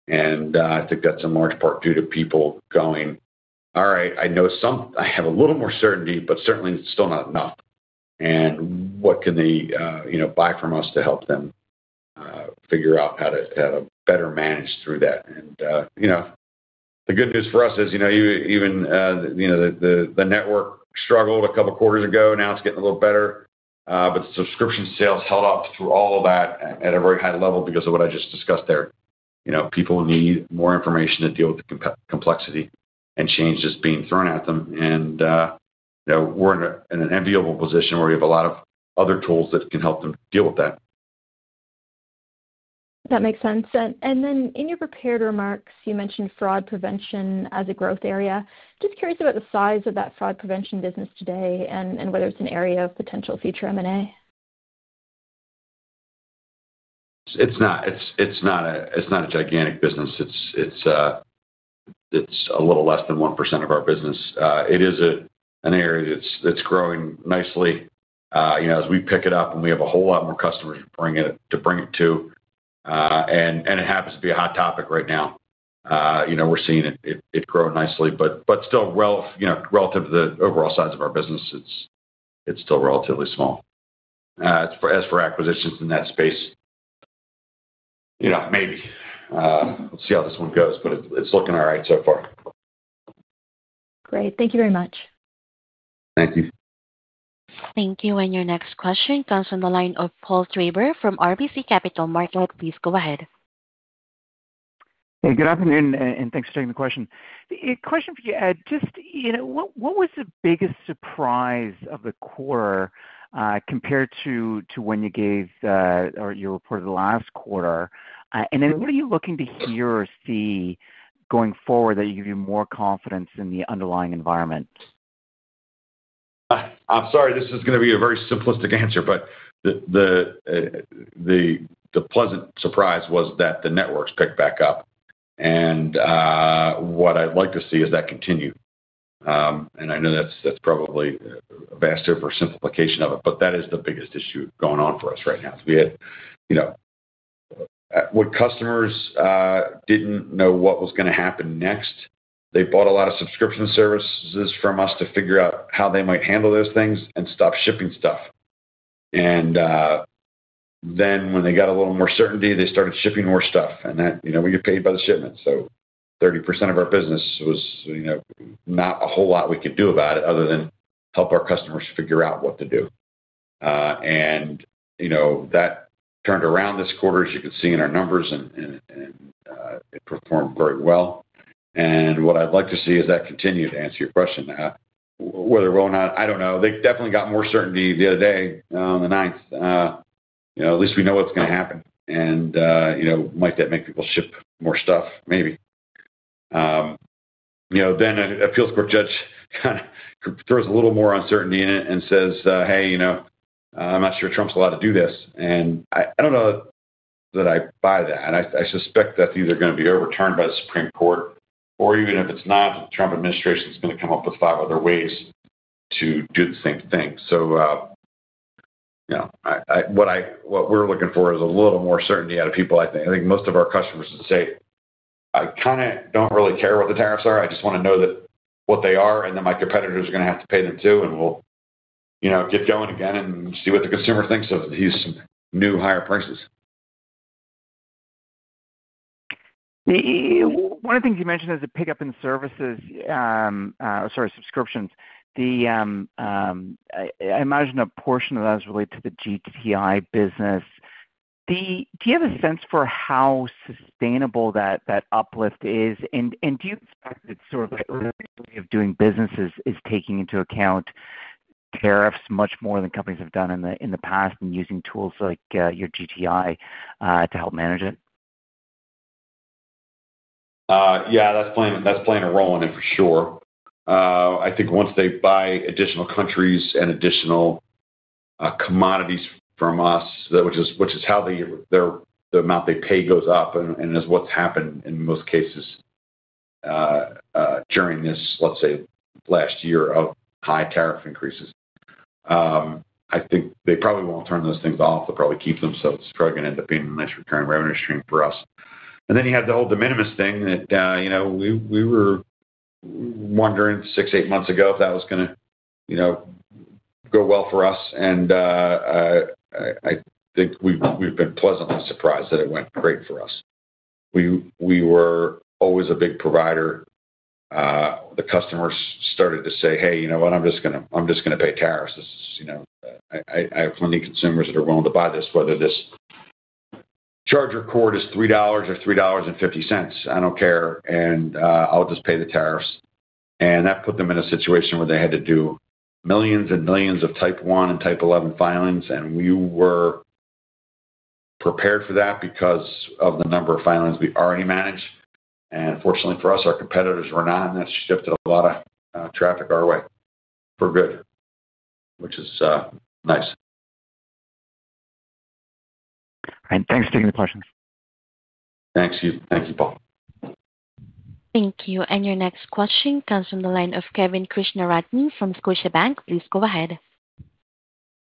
Speaker 3: And I think that's a large part due to people going. Alright, I know some I have a little more certainty, but certainly it's still not enough. And what can they, you know, buy from us to help them figure out how to better manage through that? And, you know, the good news for us is, you know, you even, you know, the the the network struggled a couple quarters ago. Now it's getting a little better. But subscription sales held up through all of that at at a very high level because of what I just discussed there. You know, people need more information to deal with the complexity and change just being thrown at them. And, you know, we're in a in an enviable position where we have a lot of other tools that can help them deal with that.
Speaker 7: That makes sense. And then in your prepared remarks, you mentioned fraud prevention as a growth area. Just curious about the size of that fraud prevention business today and whether it's an area of potential future M and A?
Speaker 3: It's not. It's it's not a it's not a gigantic business. It's it's a it's a little less than 1% of our business. It is a an area that's that's growing nicely. As we pick it up, and we have a whole lot more customers to bring it to. And it happens to be a hot topic right now. We're seeing it grow nicely. But still relative to the overall size of our business, it's it's still relatively small. As for acquisitions in that space, maybe, let's see how this one goes. But it's looking all right so far.
Speaker 7: Great. Thank you very much.
Speaker 3: Thank you.
Speaker 1: Thank you. And your next question comes from the line of Paul Traber from RBC Capital Markets. Please go ahead.
Speaker 8: Hey, good afternoon and thanks for taking the question. A question for you, Ed. Just what was the biggest surprise of the quarter compared to when you gave or you reported last quarter? Then what are you looking to hear or see going forward that you give you more confidence in the underlying environment?
Speaker 3: I'm sorry. This is gonna be a very simplistic answer, but the the pleasant surprise was that the networks picked back up. And, what I'd like to see is that continue. And I know that's that's probably a vaster for simplification of it, but that is the biggest issue going on for us right now. We had, you know, what customers didn't know what was gonna happen next. They bought a lot of subscription services from us to figure out how they might handle those things and stop shipping stuff. And then when they got a little more certainty, they started shipping more stuff. And that, you know, we get paid by the shipment. So 30% of our business was, you know, not a whole lot we could do about it other than help our customers figure out what to do. And, you know, that turned around this quarter as you can see in our numbers, and and and it performed very well. And what I'd like to see is that continue to answer your question. Whether or not, I don't know. They definitely got more certainty the other day, the ninth. You know, at least we know what's gonna happen. And, you know, might that make people ship more stuff? Maybe. You know, then an appeals court judge kinda throws a little more uncertainty in it and says, hey, you know, I'm not sure Trump's allowed to do this. And I I don't know that I buy that. And I I suspect that's either gonna be overturned by the supreme court. Or even if it's not, Trump administration is gonna come up with five other ways to do the same thing. So, you know, I I what I what we're looking for is a little more certainty out of people. Think I think most of our customers would say, I kinda don't really care what the tariffs are. I just wanna know that what they are and then my competitors are gonna have to pay them too, and we'll, you know, get going again and see what the consumer thinks of the Houston new higher prices.
Speaker 8: One of the things you mentioned is the pickup in services sorry, subscriptions. The imagine a portion of that is related to the GTI business. Do you have a sense for how sustainable that uplift is? Do you expect that sort of the early way of doing business is taking into account tariffs much more than companies have done in the past and using tools like your GTI to help manage it?
Speaker 3: Yeah. That's playing that's playing a role in it for sure. I think once they buy additional countries and additional commodities from us, which is which is how they their amount they pay goes up, and and that's what's happened in most cases, during this, let's say, last year of high tariff increases. I think they probably won't turn those things off. They'll probably keep themselves struggling in the payment, less recurring revenue stream for us. And then you have the whole de minimis thing that, you know, we we were wondering six, eight months ago if that was gonna, you know, go well for us. And, I I think we've we've been pleasantly surprised that it went great for us. We we were always a big provider. The customers started to say, hey. You know what? I'm just gonna I'm just gonna pay tariffs. This is, you know, I I I have plenty of consumers that are willing to buy this, whether this charger cord is $3 or $3.50. I don't care. And I'll just pay the tariffs. And that put them in a situation where they had to do millions and millions of type one and type 11 filings, and we were prepared for that because of the number of filings we already manage. And fortunately for us, our competitors were not, and that shifted a lot of traffic our way for good, which is nice.
Speaker 1: And your next question comes from the line of Kevin Krishnaratne from Scotiabank. Please go ahead.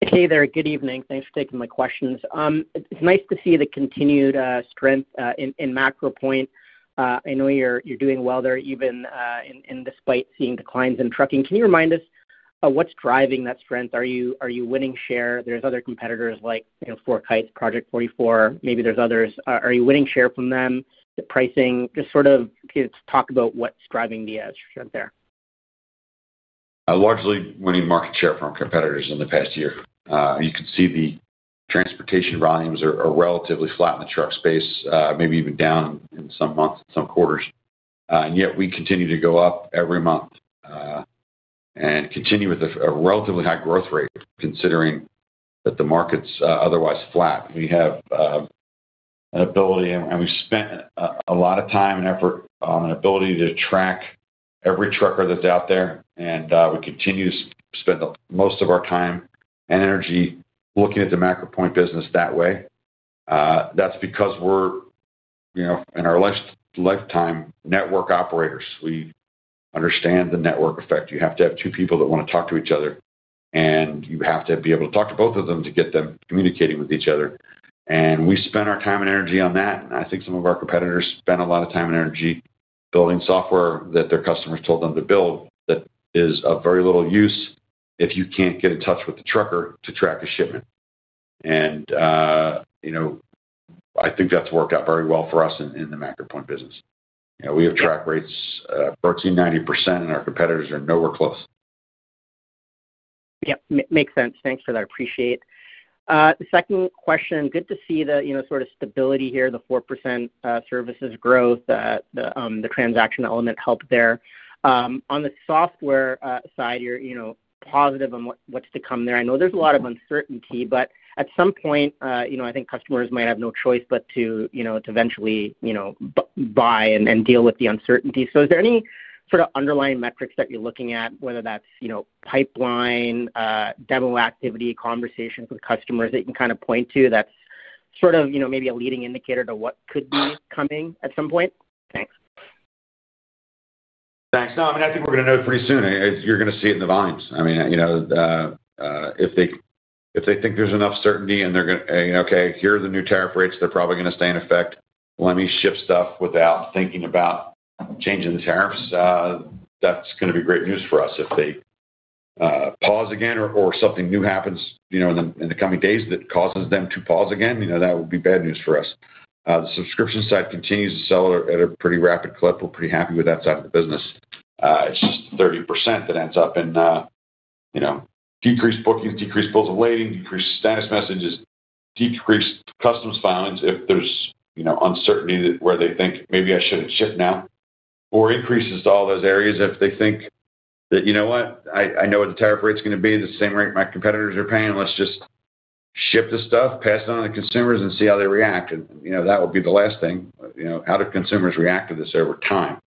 Speaker 9: Hey, there. Good evening. Thanks for taking my questions. It's nice to see the continued strength in MacroPoint. I know you're doing well there even despite seeing declines in trucking. Can you remind us what's driving that strength? Are you winning share? There's other competitors like Fort Kite, Project forty four, maybe there's others. Are you winning share from them? The pricing? Just sort of can you just talk about what's driving the edge there?
Speaker 3: Largely winning market share from competitors in the past year. You can see the transportation volumes are relatively flat in the truck space, maybe even down in some months, some quarters. And yet we continue to go up every month and continue with a relatively high growth rate considering that the market's otherwise flat. We have an ability, and and we spent a lot of time and effort on an ability to track every trucker that's out there. And we continue to spend most of our time and energy looking at the MacroPoint business that way. That's because we're, you know, in our less lifetime network operators. We understand the network effect. You have to have two people that wanna talk to each other, and you have to be able to talk to both of them to get them communicating with each other. And we spent our time and energy on that. And I think some of our competitors spent a lot of time and energy building software that their customers told them to build that is of very little use if you can't get in touch with the trucker to track the shipment. And, you know, I think that's worked out very well for us in in the MacroPoint business. You know, we have track rates, approaching 90%, and our competitors are nowhere close.
Speaker 9: Yes, makes sense. Thanks for that. Appreciate. Second question, good to see the sort of stability here, the 4% services growth, the transaction element helped there. On the software side, you're positive on what's to come there. I know there's a lot of uncertainty, but at some point, I think customers might have no choice but to eventually buy and deal with the uncertainty. So is there any sort of underlying metrics that you're looking at, whether that's pipeline, demo activity, conversations with customers that you can kind of point to that's sort of maybe a leading indicator to what could be coming at some point? Thanks.
Speaker 3: No, I mean, I think we're going know pretty soon. You're going to see it in the volumes. I mean, if they think there's enough certainty and they're to okay, here are the new tariff rates, they're probably going to stay in effect. Let me shift stuff without thinking about changing the tariffs. That's gonna be great news for us. If they pause again or or something new happens, you know, in the in the coming days that causes them to pause again, you know, that would be bad news for us. The subscription side continues to sell at a pretty rapid clip. We're pretty happy with that side of the business. It's just 30% that ends up in, you know, decreased bookings, decreased both of waiting, decreased status messages, decreased customs filings if there's, you know, uncertainty that where they think maybe I shouldn't ship now, Or increases to all those areas if they think that, you know what? I I know what the tariff rate's gonna be, the same rate my competitors are paying. Let's just ship this stuff, pass it on to consumers, and see how they react. And, you know, that would be the last thing. You know, how do consumers react to this over time?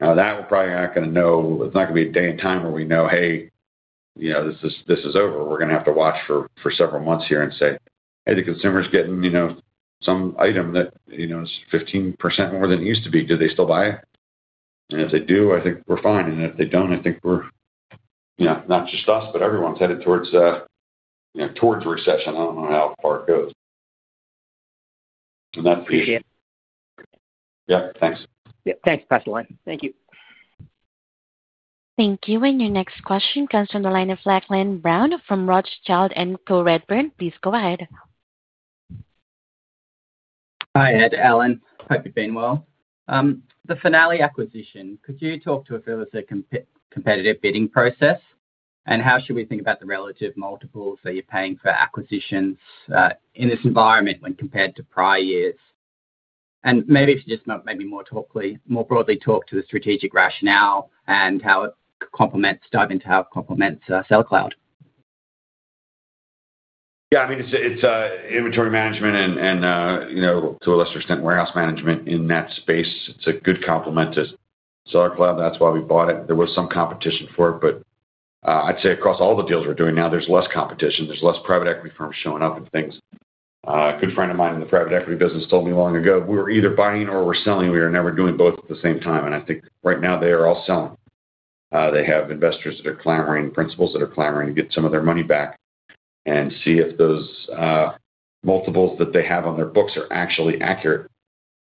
Speaker 3: Now that we're probably not gonna know it's not gonna be a day and time where we know, hey, you know, this is this is over. We're gonna have to watch for for several months here and say, hey, the consumer's getting, you know, some item that, you know, is 15% more than it used to be. Do they still buy And if they do, think we're fine. And if they don't, I think we're yeah. Not just us, but everyone's headed towards, you know, towards recession. I don't know how far it goes.
Speaker 9: I appreciate it.
Speaker 3: Yes, thanks.
Speaker 9: Thanks. Pass the line. Thank you.
Speaker 1: Thank you. And your next question comes from the line of Lachlan Brown from Rothschild and Co Redburn. Please go ahead.
Speaker 10: Ed, Alan. Hope you've been well. The Finale acquisition, could you talk to us through the competitive bidding process? And how should we think about the relative multiples that you're paying for acquisitions in this environment when compared to prior years? And maybe if you just not maybe more talkly, more broadly talk to the strategic rationale and how it complements, dive into how it complements Cell Cloud?
Speaker 3: Yeah. I mean, inventory management and to a lesser extent warehouse management in that space. It's a good complement to SellerCloud. That's why we bought it. There was some competition for it. But I'd say across all the deals we're doing now, there's less competition. There's less private equity firms showing up and things. A good friend of mine in the private equity business told me long ago, we were either buying or we're selling. We were never doing both at the same time. And I think right now they are all selling. They have investors that are clamoring, principals that are clamoring to get some of their money back. And see if those multiples that they have on their books are actually accurate.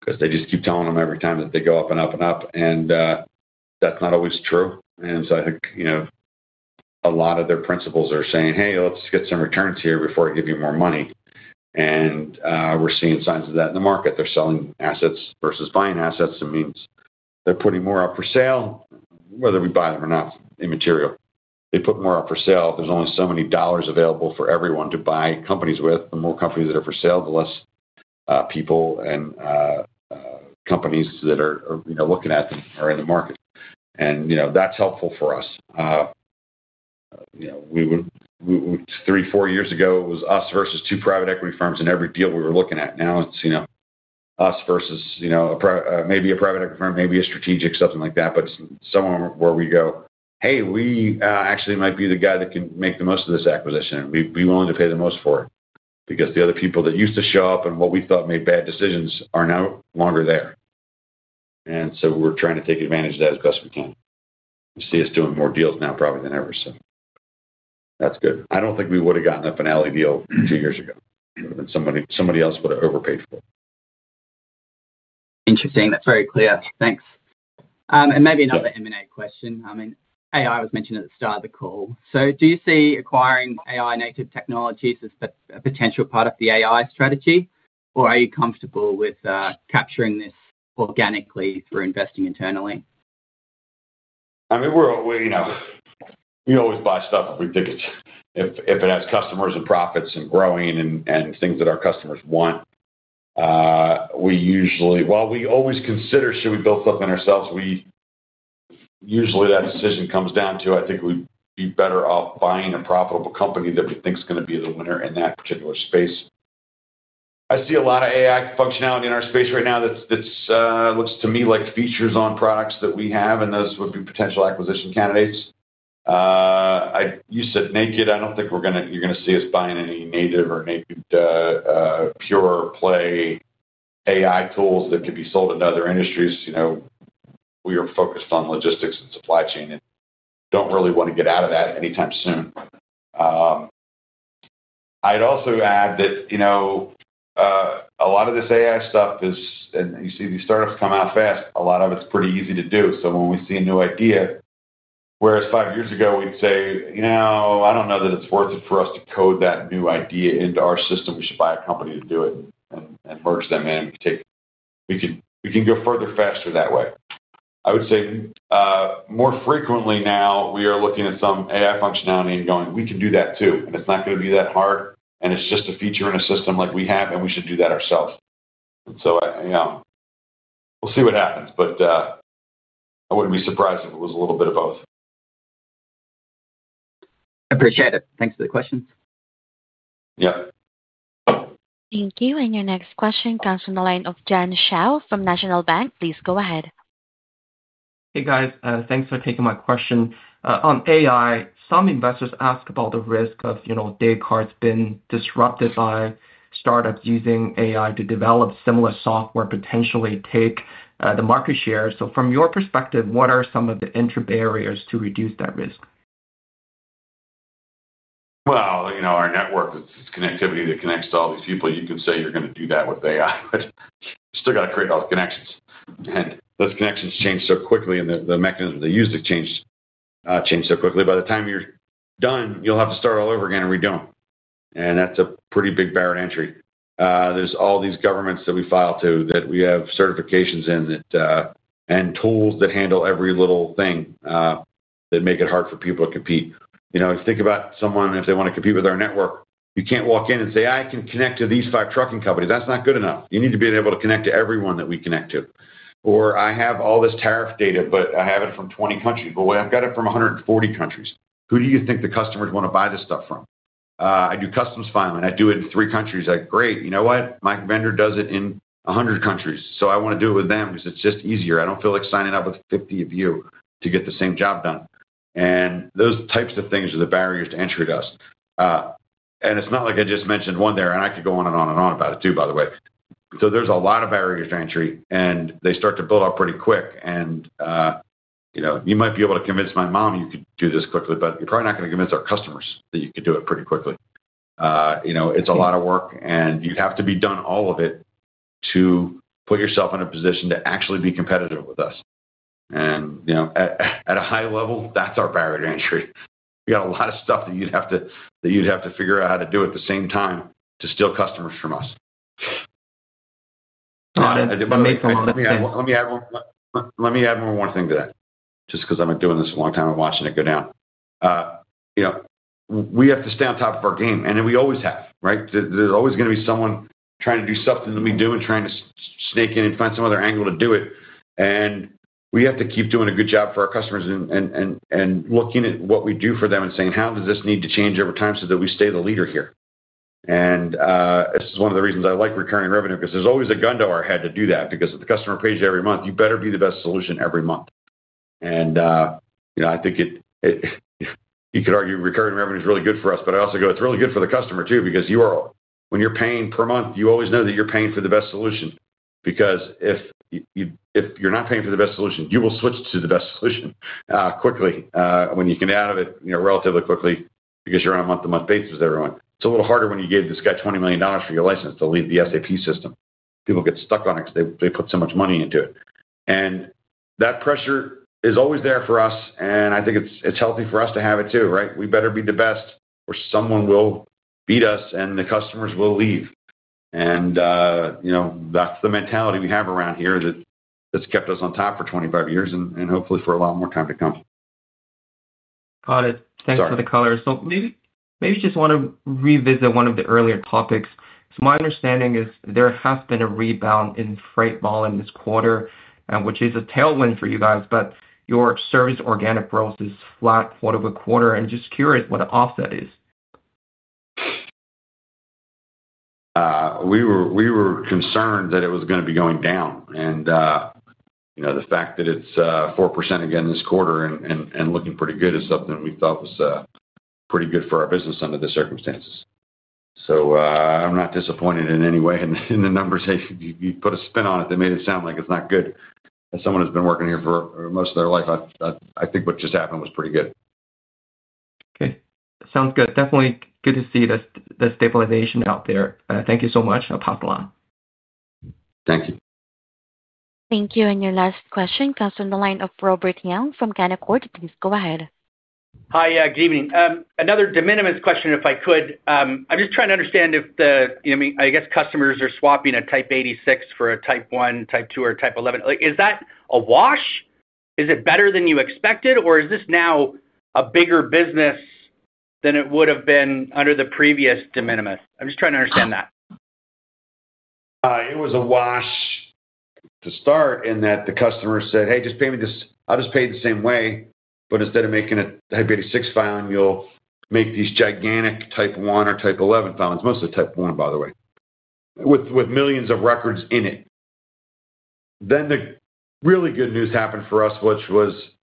Speaker 3: Because they just keep telling them every time that they go up and up and up. And that's not always true. And so I think, you know, a lot of their principals are saying, hey. Let's get some returns here before I give you more money. And we're seeing signs of that in the market. They're selling assets versus buying assets. It means they're putting more up for sale, whether we buy them or not, immaterial. They put more up for sale. There's only so many dollars available for everyone to buy companies with. The more companies that are for sale, the less people and companies that are are, you know, looking at them or in the market. And, you know, that's helpful for us. You know, we would we would three, four years ago, it was us versus two private equity firms in every deal we were looking at. Now it's, you know, us versus, you know, a a private equity firm, maybe a strategic, something like that. But it's somewhere where we go, hey. We actually might be the guy that can make the most of this acquisition. We'd be willing to pay the most for it because the other people that used to show up and what we thought made bad decisions are now longer there. And so we're trying to take advantage of that as best we can. You see us doing more deals now probably than ever. So that's good. I don't think we would have gotten a finale deal two years ago. Somebody somebody else would have overpaid for
Speaker 10: Interesting. That's very clear. Thanks. And maybe another M and A question. I mean, AI was mentioned at the start of the call. So do you see acquiring AI native technologies as a potential part of the AI strategy? Or are you comfortable with capturing this organically through investing internally?
Speaker 3: I mean, we're we, you know, we always buy stuff if we pick it. If if it has customers and profits and growing and and things that our customers want, We usually while we always consider, should we build something ourselves, we usually, that decision comes down to, I think, we'd be better off buying a profitable company that we think is gonna be the winner in that particular space. I see a lot of AI functionality in our space right now that's that's looks to me like features on products that we have, and those would be potential acquisition candidates. I you said naked. I don't think we're gonna you're gonna see us buying any native or naked pure play AI tools that could be sold in other industries. You know, we are focused on logistics and supply chain and don't really wanna get out of that anytime soon. I'd also add that, you know, a lot of this AI stuff is and you see these startups come out fast. A lot of it's pretty easy to do. So when we see a new idea, whereas five years ago, we'd say, you know, I don't know that it's worth it for us code to that new idea into our system. We should buy a company to do it and and merge them in to take we can we can go further faster that way. I would say more frequently now, we are looking at some AI functionality and going, we can do that too. And it's not gonna be that hard, and it's just a feature in a system like we have, and we should do that ourselves. And so I you know, we'll see what happens. But I wouldn't be surprised if it was a little bit of both.
Speaker 10: Appreciate it. Thanks for the questions.
Speaker 3: Yes.
Speaker 1: Thank you. And your next question comes from the line of John Shao from National Bank. Please go ahead.
Speaker 11: Hey guys. Thanks for taking my question. On AI, some investors ask about the risk of day cards being disrupted by start ups using AI to develop similar software potentially take the market share. So from your perspective, what are some of the intra barriers to reduce that risk?
Speaker 3: Well, you know, our network, it's connectivity that connects to all these people. You can say you're gonna do that with AI, but still gotta create all the connections. And those connections change so quickly, the the mechanism they use to change change so quickly. By the time you're done, you'll have to start all over again, and we don't. And that's a pretty big barrier to entry. There's all these governments that we file to that we have certifications in that and tools that handle every little thing that make it hard for people to compete. You know, if you think about someone, if they wanna compete with our network, you can't walk in and say, can connect to these five trucking companies. That's not good enough. You need to be able to connect to everyone that we connect to. Or I have all this tariff data, but I have it Boy, I've got it from a 140 countries. Who do you think the customers wanna buy this stuff from? I do customs filing. I do it in three countries. I great. You know what? My vendor does it in a 100 countries. So I wanna do it with them because it's just easier. I don't feel like signing up with 50 of you to get the same job done. And those types of things are the barriers to entry to us. And it's not like I just mentioned one there, and I could go on and on and on about it too, by the way. So there's a lot of barriers to entry, and they start to build up pretty quick. And, you know, you might be able to convince my mom you could do this quickly, but you're probably not gonna convince our customers that you could do it pretty quickly. You know, it's a lot of work, and you have to be done all of it to put yourself in a position to actually be competitive with us. And, you know, at a high level, that's our barrier to entry. We got a lot of stuff that you'd have to that you'd have to figure out how to do at the same time to steal customers from us.
Speaker 11: Got it.
Speaker 3: Let me add one me add one more thing to that. Just because I've doing this a long time and watching it go down. You know, we have to stay on top of our game, and then we always have. Right? There's there's always gonna be someone trying to do stuff that we do and trying to sneak in and find some other angle to do it. And we have to keep doing a good job for our customers and and and and looking at what we do for them and saying, how does this need to change over time so that we stay the leader here? And this is one of the reasons I like recurring revenue because there's always a gun to our head to do that because if the customer pays you every month, you better be the best solution every month. And, you know, I think it it you could argue recurring revenue is really good for us, but I also go, it's really good for the customer too, because you are when you're paying per month, you always know that you're paying for the best solution. Because if you if you're not paying for the best solution, you will switch to the best solution, quickly, when you can add it, you know, relatively quickly because you're on a month to month basis, everyone. It's a little harder when you gave this guy $20,000,000 for your license to leave the SAP system. People get stuck on it because they they put so much money into it. And that pressure is always there for us, and I think it's it's healthy for us to have it too. Right? We better be the best or someone will beat us and the customers will leave. And, you know, that's the mentality we have around here that that's kept us on top for twenty five years and and hopefully for a lot more time to come.
Speaker 11: Got it. Thanks for the color. So maybe maybe just wanna revisit one of the earlier topics. My understanding is there has been a rebound in freight volume this quarter, which is a tailwind for you guys, but your service organic growth is flat quarter over quarter. I'm just curious what the offset is.
Speaker 3: We were we were concerned that it was gonna be going down. And, you know, the fact that it's, 4% again this quarter and and and looking pretty good is something we thought was, pretty good for our business under the circumstances. So I'm not disappointed in any way in the numbers. You put a spin on it that made it sound like it's not good. As someone who's been working here for most of their life, think what just happened was pretty good. Okay.
Speaker 11: Sounds good. Definitely good to see the stabilization out there. Thank you so much. I'll pass along.
Speaker 3: Thank you.
Speaker 1: Thank you. And your last question comes from the line of Robert Young from Canaccord. Please go ahead.
Speaker 12: Hi, good evening. Another de minimis question if I could. I'm just trying to understand if the I I guess customers are swapping a Type 86 for a Type one, Type two or Type 11. Like is that a wash? Is it better than you expected? Or is this now a bigger business than it would have been under the previous de minimis? I'm just trying to understand that.
Speaker 3: It was a wash to start, and that the customer said, hey, just pay me this I'll just pay it the same way. But instead of making it type 86 filing, you'll make these gigantic type one or type 11 filings. Mostly type one, by the way, with with millions of records in it. Then the really good news happened for us, which was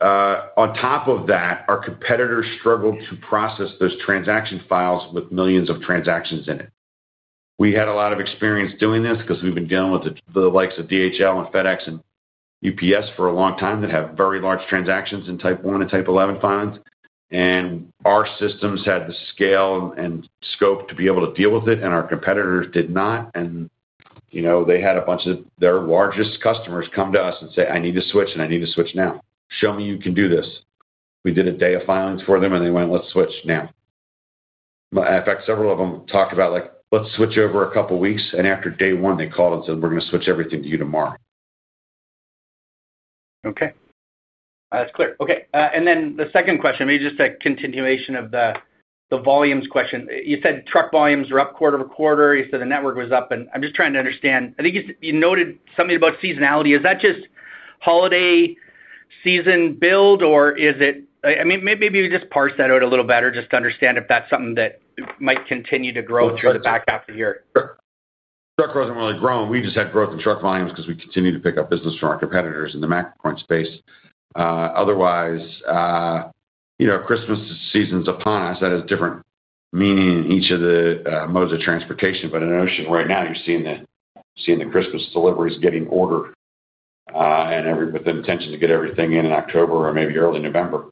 Speaker 3: on top of that, our competitors struggled to process those transaction files with millions of transactions in it. We had a lot of experience doing this because we've been dealing with the the likes of DHL and FedEx and UPS for a long time that have very large transactions in type one and type 11 funds. And our systems had the scale and scope to be able to deal with it, and our competitors did not. And, you know, they had a bunch of their largest customers come to us and say, I need to switch, and I need to switch now. Show me you can do this. We did a day of filings for them, and they went, let's switch now. In fact, several of them talked about, like, let's switch over a couple weeks. And after day one, they called and said, we're gonna switch everything to you tomorrow.
Speaker 12: Okay. That's clear. Okay. And then the second question, maybe just a continuation of the volumes question. You said truck volumes were up quarter over quarter. You said the network was up. And I'm just trying to understand, I think you noted something about seasonality. Is that just holiday season build? Or is it I mean maybe you just parse that out a little better just to understand if that's something that might continue to grow through the back half of the year.
Speaker 3: Truck wasn't really growing. We just had growth in truck volumes because we continue to pick up business from our competitors in the macro point space. Otherwise, you know, Christmas season's upon us. That has different meaning in each of the modes of transportation. But in Ocean, right now, you're seeing the seeing the Christmas deliveries getting order and every but the intention to get everything in October or maybe early November.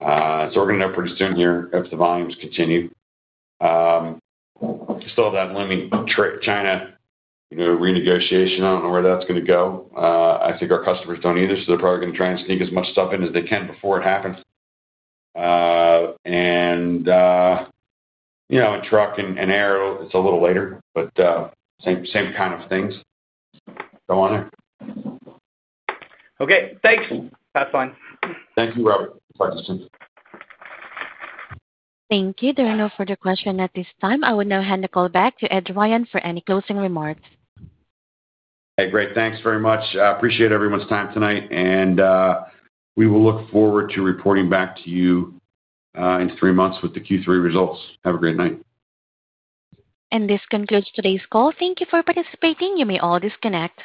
Speaker 3: So we're gonna know pretty soon here if the volumes continue. Still that limiting trip China, you know, renegotiation. I don't know where that's gonna go. I think our customers don't either, so they're probably gonna try and sneak as much stuff in as they can before it happens. And, you know, in truck and and aero, it's a little later, but same same kind of things go on there.
Speaker 12: Okay. Thanks. That's fine.
Speaker 3: Thank you, Robert. Thank
Speaker 1: Thank you. You. There are no further questions at this time. I would now hand the call back to Ed Ryan for any closing remarks.
Speaker 3: Hey, great. Thanks very much. I appreciate everyone's time tonight. And we will look forward to reporting back to you in three months with the Q3 results. Have a great night.
Speaker 1: And this concludes today's call. Thank you for participating. You may all disconnect.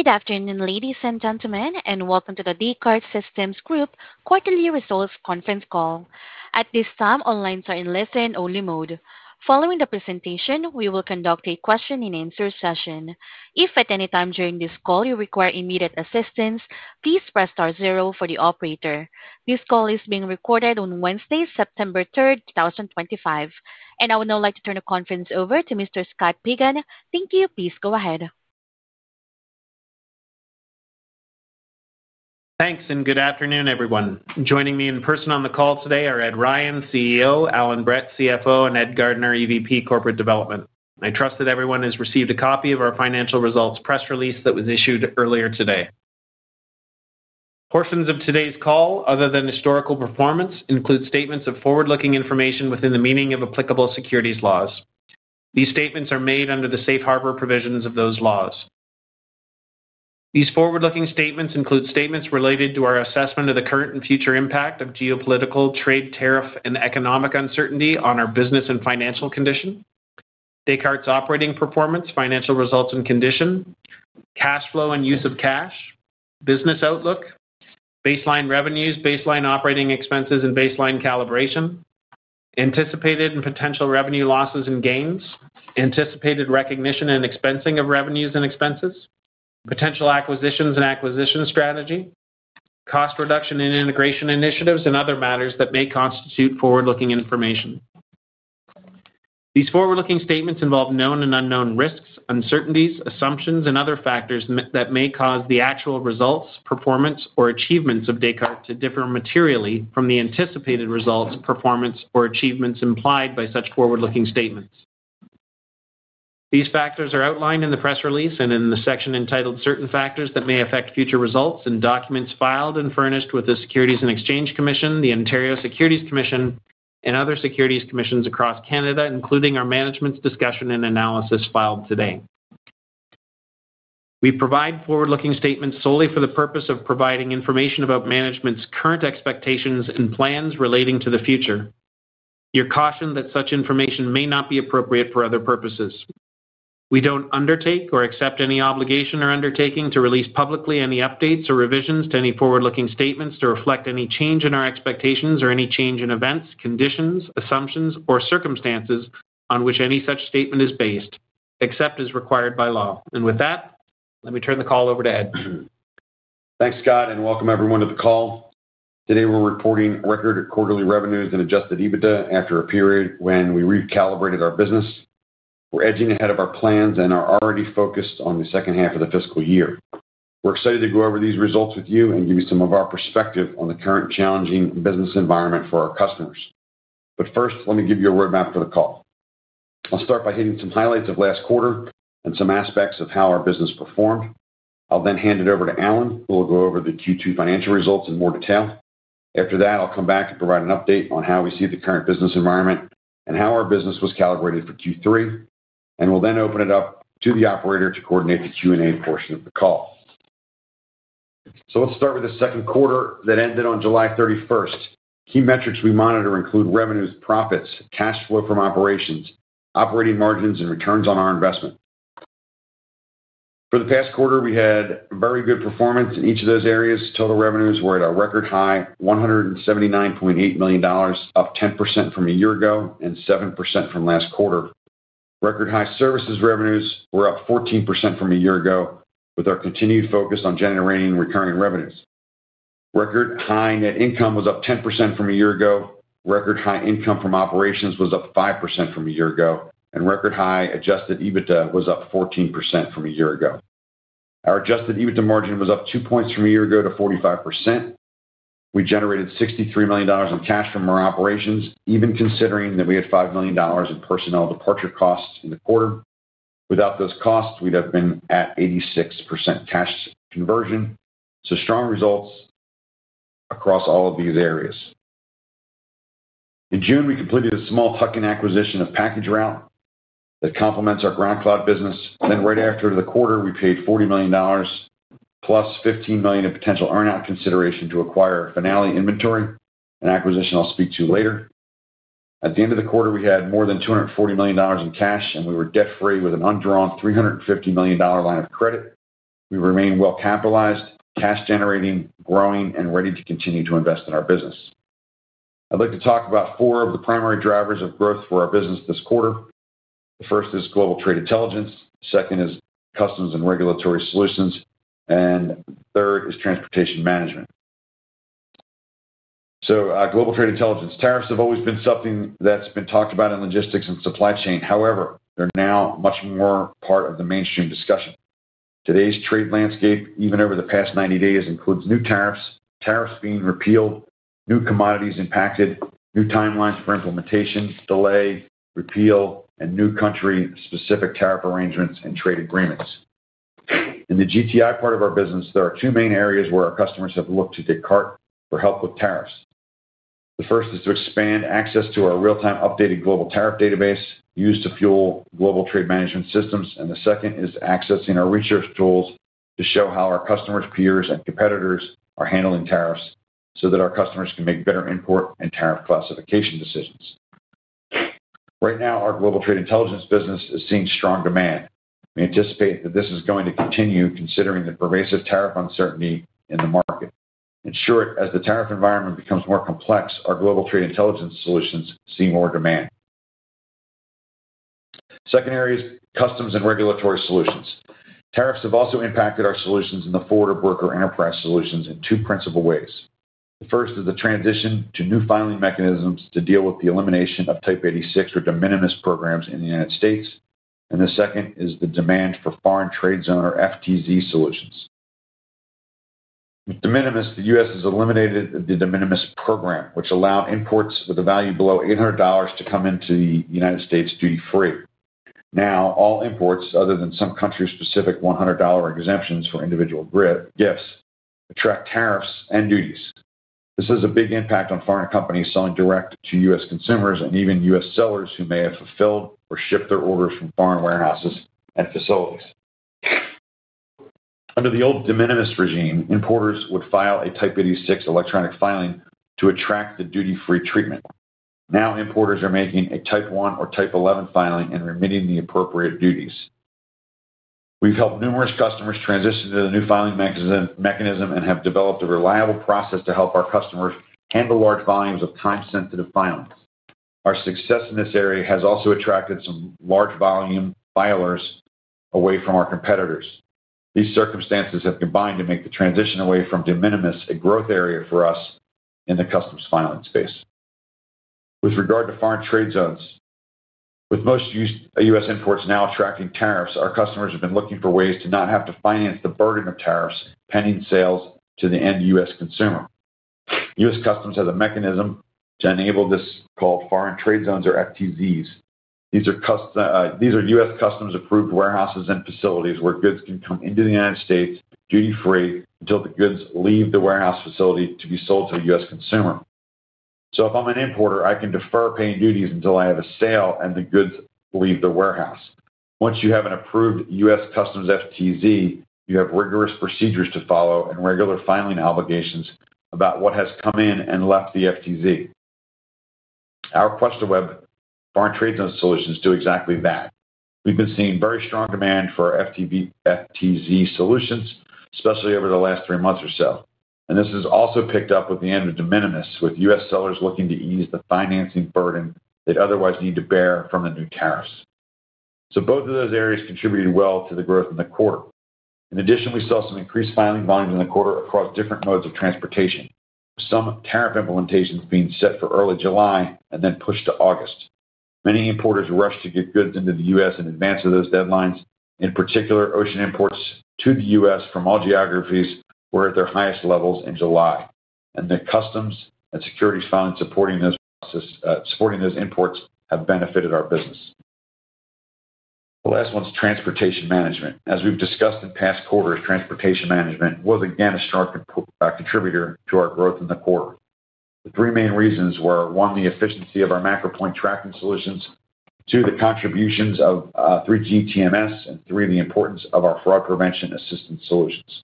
Speaker 1: Good afternoon, ladies and gentlemen, and welcome to the d CARD Systems Group Quarterly Results Conference Call. At this time, all lines are in listen only mode. Following the presentation, we will conduct a question and answer session. This call is being recorded on Wednesday, 09/03/2025. And I would now like to turn the conference over to Mr. Scott Pagan. Thank you. Please go ahead.
Speaker 2: Thanks, and good afternoon, everyone. Joining me in person on the call today are Ed Ryan, CEO Alan Brett, CFO and Ed Gardner, EVP, Corporate Development. I trust that everyone has received a copy of our financial results press release that was issued earlier today. Portions of today's call, other than historical performance, include statements of forward looking information within the meaning of applicable securities laws. These statements are made under the Safe Harbor provisions of those laws. These forward looking statements include statements related to our assessment of the current and future impact of geopolitical, trade, tariff and economic uncertainty on our business and financial condition Descartes' operating performance, financial results and condition cash flow and use of cash business outlook baseline revenues, baseline operating expenses and baseline calibration anticipated and potential revenue losses and gains anticipated recognition and expensing of revenues and expenses potential acquisitions and acquisition strategy cost reduction and integration initiatives and other matters that may constitute forward looking information. These forward looking statements involve known and unknown risks, uncertainties, assumptions and other factors that may cause the actual results, performance or achievements of Descartes to differ materially from the anticipated results, performance or achievements implied by such forward looking statements. These factors are outlined in the press release and in the section entitled Certain Factors That May Affect Future Results and documents filed and furnished with the Securities and Exchange Commission, the Ontario Securities Commission and other securities commissions across Canada, including our management's discussion and analysis filed today. We provide forward looking statements solely for the purpose of providing information about management's current expectations and plans relating to the future. You're cautioned that such information may not be appropriate for other purposes. We don't undertake or accept any obligation or undertaking to release publicly any updates or revisions to any forward looking statements to reflect any change in our expectations or any change in events, conditions, assumptions or circumstances on which any such statement is based, except as required by law. And with that, let me turn the call over to Ed.
Speaker 3: Thanks, Scott, and welcome everyone to the call. Today, we're reporting record quarterly revenues and adjusted EBITDA after a period when we recalibrated our business. We're edging ahead of our plans and are already focused on the second half of the fiscal year. We're excited to go over these results with you and give you some of our perspective on the current challenging business environment for our customers. But first, let me give you a roadmap for the call. I'll start by hitting some highlights of last quarter and some aspects of how our business performed. I'll then hand it over to Alan, who will go over the Q2 financial results in more detail. After that, I'll come back to provide an update on how we see the current business environment and how our business was calibrated for Q3. And we'll then open it up to the operator to coordinate the Q and A portion of the call. So let's start with the second quarter that ended on July 31. Key metrics we monitor include revenues, profits, flow from operations, operating margins and returns on our investment. For the past quarter, we had very good performance in each of those areas. Total revenues were at a record high 179,800,000 up 10% from a year ago and 7% from last quarter. Record high services revenues were up 14% from a year ago with our continued focus on generating recurring revenues. Record high net income was up 10% from a year ago. Record high income from operations was up 5% from a year ago. And record high adjusted EBITDA was up 14% from a year ago. Our adjusted EBITDA margin was up two points from a year ago to 45%. We generated $63,000,000 in cash from our operations, even considering that we had $5,000,000 in personnel departure costs in the quarter. Without those costs, we'd have been at 86% cash conversion, so strong results across all of these areas. In June, we completed a small tuck in acquisition of PackageRoute that complements our GroundCloud business. And then right after the quarter, we paid $40,000,000 plus $15,000,000 of potential earn out consideration to acquire Finale inventory, an acquisition I'll speak to later. At the end of the quarter, we had more than $240,000,000 in cash and we were debt free with an undrawn $350,000,000 line of credit. We remain well capitalized, cash generating, growing and ready to continue to invest in our business. I'd like to talk about four of the primary drivers of growth for our business this quarter. The first is Global Trade Intelligence, second is Customs and Regulatory Solutions, and third is Transportation Management. So global trade intelligence. Tariffs have always been something that's been talked about in logistics and supply chain. However, they're now much more part of the mainstream discussion. Today's trade landscape, even over the past ninety days, includes new tariffs, tariffs being repealed, new commodities impacted, new time lines for implementation, delay, repeal and new country specific tariff arrangements and trade agreements. In the GTI part of our business, there are two main areas where our customers have looked to Descartes for help with tariffs. The first is to expand access to our real time updated global tariff database used to fuel global trade management systems, and the second is accessing our research tools to show how our customers, peers, and competitors are handling tariffs so that our customers can make better import and tariff classification decisions. Right now, our Global Trade Intelligence business is seeing strong demand. We anticipate that this is going to continue considering the pervasive tariff uncertainty in the market. In short, as the tariff environment becomes more complex, our global trade intelligence solutions see more demand. Secondary is customs and regulatory solutions. Tariffs have also impacted our solutions in the forward of worker enterprise solutions in two principal ways. The first is the transition to new filing mechanisms to deal with the elimination of Type 86 or de minimis programs in The United States and The second is the demand for Foreign Trade Zone or FTZ solutions. With de minimis, The U. Has eliminated the de minimis program, which allowed imports with a value below $800 to come into The United States duty free. Now all imports, other than some country specific 100 exemptions for individual gifts, attract tariffs and duties. This has a big impact on foreign companies selling direct to U. S. Consumers and even U. S. Sellers who may have fulfilled or shipped their orders from foreign warehouses and facilities. Under the old de minimis regime, importers would file a Type 86 electronic filing to attract the duty free treatment. Now importers are making a Type one or Type 11 filing and remitting the appropriate duties. We've helped numerous customers transition to the new filing mechanism and have developed a reliable process to help our customers handle large volumes of time sensitive filings. Our success in this area has also attracted some large volume filers away from our competitors. These circumstances have combined to make the transition away from de minimis a growth area for us in the customs filing space. With regard to foreign trade zones, with most U. S. Imports now attracting tariffs, our customers have been looking for ways to not have to finance the burden of tariffs, pending sales to the end U. S. Consumer. U. S. Customs has a mechanism to enable this called Foreign Trade Zones or FTZs. These are U. S. Customs approved warehouses and facilities where goods can come into The United States duty free until the goods leave the warehouse facility to be sold to a U. S. Consumer. So if I'm an importer, I can defer paying duties until I have a sale and the goods leave the warehouse. Once you have an approved US Customs FTZ, you have rigorous procedures to follow and regular filing obligations about what has come in and left the FTZ. Our Quest to Web foreign trade zone solutions do exactly that. We've been seeing very strong demand for FTZ solutions, especially over the last three months or so. And this has also picked up with the end of de minimis, with U. S. Sellers looking to ease the financing burden they'd otherwise need to bear from the new tariffs. So both of those areas contributed well to the growth in the quarter. In addition, we saw some increased filing volumes in the quarter across different modes of transportation, with some tariff implementations being set for early July and then pushed to August. Many importers rushed to get goods into The U. S. In advance of those deadlines. In particular, ocean imports to The U. S. From all geographies were at their highest levels in July. And the customs and securities filings supporting those imports have benefited our business. The last one is transportation management. As we've discussed in past quarters, transportation management was again a strong contributor to our growth in the quarter. The three main reasons were: one, the efficiency of our MacroPoint tracking solutions two, the contributions of three gs TMS and three, the importance of our fraud prevention assistance solutions.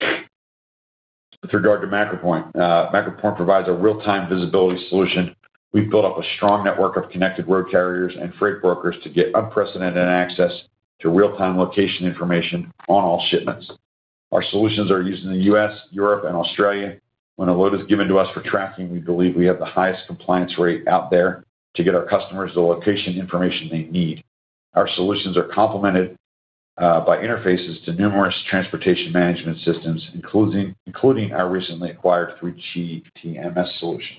Speaker 3: With regard to MacroPoint, MacroPoint provides a real time visibility solution. We've built up a strong network of connected road carriers and freight brokers to get unprecedented access to real time location information on all shipments. Our solutions are used in The U. S, Europe and Australia. When a load is given to us for tracking, we believe we have the highest compliance rate out there to get our customers the location information they need. Our solutions are complemented by interfaces to numerous transportation management systems, including our recently acquired three gs TMS solution.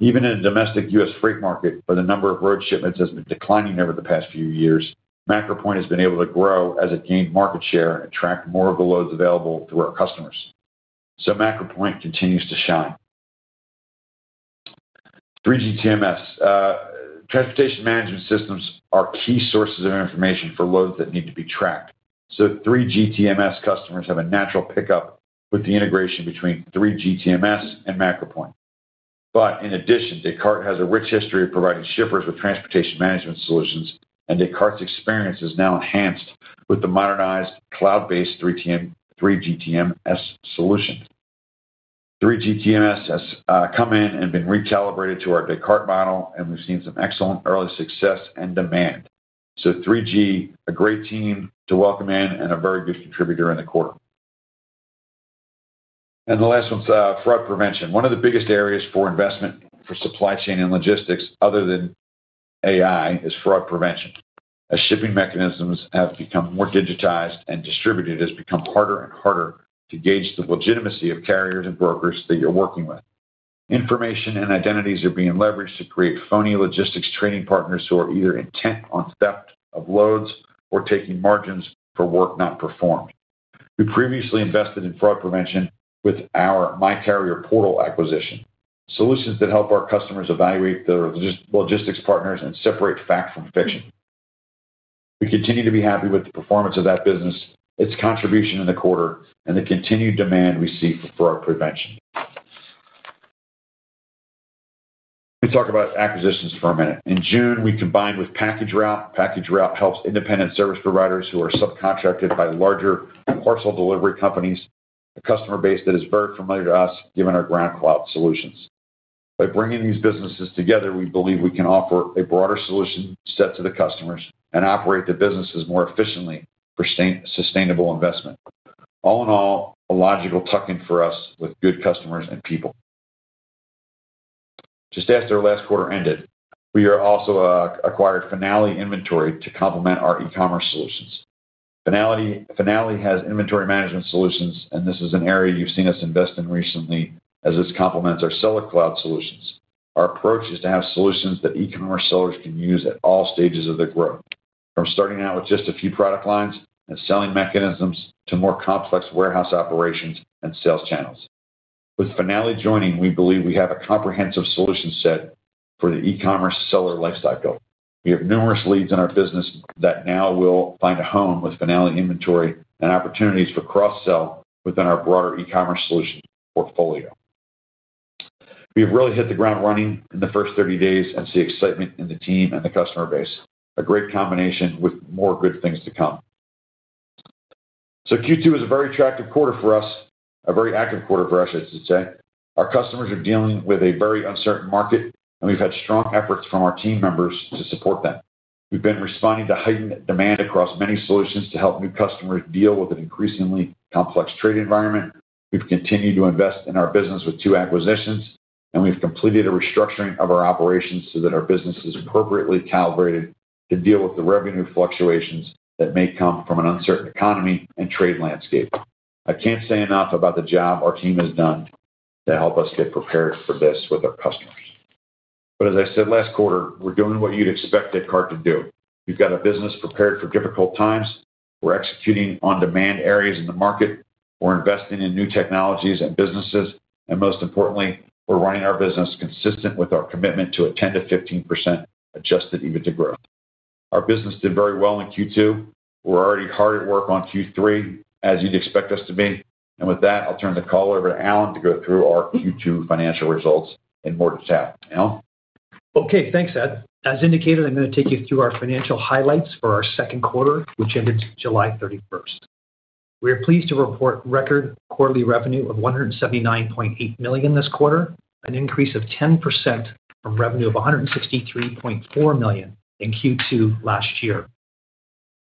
Speaker 3: Even in the domestic U. S. Freight market, where the number of road shipments has been declining over the past few years, MacroPoint has been able to grow as it gained market share and attract more of the loads available through our customers. So MacroPoint continues to shine. 3GTMS. Transportation management systems are key sources of information for loads that need to be tracked. So 3GTMS customers have a natural pickup with the integration between three GTMS and MacroPoint. But in addition, Descartes has a rich history of providing shippers with transportation management solutions, and Descartes' experience is now enhanced with the modernized cloud based 3GTMS solution. 3GTMS has come in and been recalibrated to our Descartes model, and we've seen some excellent early success and demand. So three gs, a great team to welcome in and a very good contributor in the quarter. And the last one is fraud prevention. One of the biggest areas for investment for supply chain and logistics other than AI is fraud prevention. As shipping mechanisms have become more digitized and distributed, it has become harder and harder to gauge the legitimacy of carriers and brokers that you are working with. Information and identities are being leveraged to create phony logistics training partners who are either intent on theft of loads or taking margins for work not performed. We previously invested in fraud prevention with our MyCarrier Portal acquisition, solutions that help our customers evaluate their logistics partners and separate fact from fiction. We continue to be happy with the performance of that business, its contribution in the quarter and the continued demand we see for our prevention. Let me talk about acquisitions for a minute. In June, we combined with Package Route. Package Route helps independent service providers who are subcontracted by larger parcel delivery companies, a customer base that is very familiar to us given our ground cloud solutions. By bringing these businesses together, we believe we can offer a broader solution set to the customers and operate the businesses more efficiently for sustainable investment. All in all, a logical tuck in for us with good customers and people. Just after our last quarter ended, we also acquired Finale Inventory to complement our e commerce solutions. Finale has inventory management solutions, and this is an area you've seen us invest in recently as this complements our Seller Cloud solutions. Our approach is to have solutions that e commerce sellers can use at all stages of their growth, from starting out with just a few product lines and selling mechanisms to more complex warehouse operations and sales channels. With Finale joining, we believe we have a comprehensive solution set for the e commerce seller lifecycle. We have numerous leads in our business that now will find a home with Finale inventory and opportunities for cross sell within our broader e commerce solution portfolio. We've really hit the ground running in the first thirty days and see excitement in the team and the customer base, a great combination with more good things to come. So q two is a very attractive quarter for us, a very active quarter for us, I should say. Our customers are dealing with a very uncertain market, and we've had strong efforts from our team members to support them. We've been responding to heightened demand across many solutions to help new customers deal with an increasingly complex trade environment. We've continued to invest in our business with two acquisitions. And we've completed a restructuring of our operations so that our business is appropriately calibrated to deal with the revenue fluctuations that may come from an uncertain economy and trade landscape. I can't say enough about the job our team has done to help us get prepared for this with our customers. But as I said last quarter, we're doing what you'd expect Descartes to do. We've got a business prepared for difficult times. We're executing on demand areas in the market. We're investing in new technologies and businesses. And most importantly, we're running our business consistent with our commitment to a 10% to 15% adjusted EBITDA growth. Our business did very well in Q2. We're already hard at work on Q3, as you'd expect us to be. And with that, I'll turn the call over to Alan to go through our Q2 financial results in more detail. Alan?
Speaker 4: Okay. Thanks, Ed. As indicated, I'm going to take you through our financial highlights for our second quarter, which ended July 31. We are pleased to report record quarterly revenue of $179,800,000 this quarter, an increase of 10% from revenue of $163,400,000 in Q2 last year.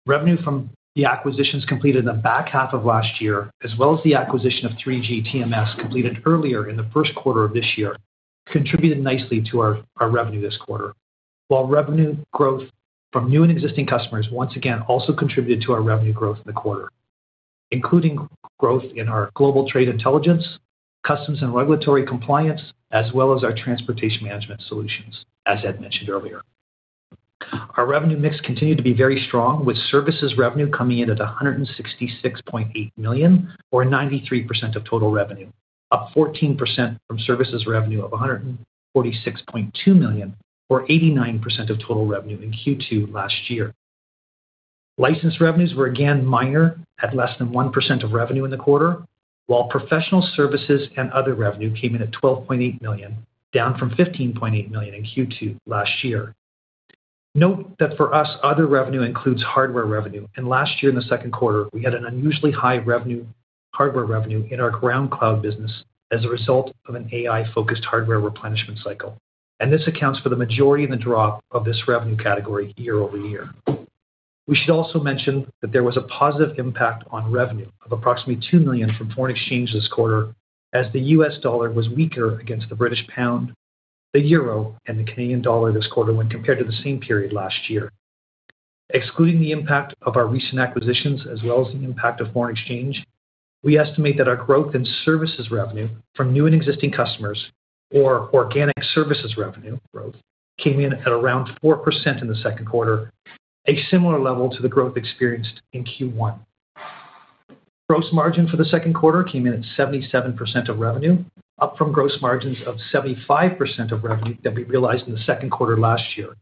Speaker 4: Revenue from the acquisitions completed in the back half of last year as well as the acquisition of three gs TMS completed earlier in the first quarter of this year contributed nicely to our revenue this quarter, while revenue growth from new and existing customers once again also contributed to our revenue growth in the quarter, including growth in our global trade intelligence, customs and regulatory compliance, as well as our transportation management solutions, as Ed mentioned earlier. Our revenue mix continued to be very strong, with services revenue coming in at $166,800,000 or 93% of total revenue, up 14% from services revenue of $146,200,000 or 89% of total revenue in Q2 last year. License revenues were again minor at less than 1% of revenue in the quarter, while professional services and other revenue came in at $12,800,000 down from $15,800,000 in Q2 last year. Note that for us, other revenue includes hardware revenue. And last year in the second quarter, we had an unusually high hardware revenue in our ground cloud business as a result of an AI focused hardware replenishment cycle, and this accounts for the majority of the drop of this revenue category year over year. We should also mention that there was a positive impact on revenue of approximately $2,000,000 from foreign exchange this quarter as the U. S. Dollar was weaker against the British pound, the euro and the Canadian dollar this quarter when compared to the same period last year. Excluding the impact of our recent acquisitions as well as the impact of foreign exchange, we estimate that our growth in services revenue from new and existing customers, or organic services revenue growth, came in at around 4% in the second quarter, a similar level to the growth experienced in Q1. Gross margin for the second quarter came in at 77% of revenue, up from gross margins of 75% of revenue that we realized in the second quarter last year.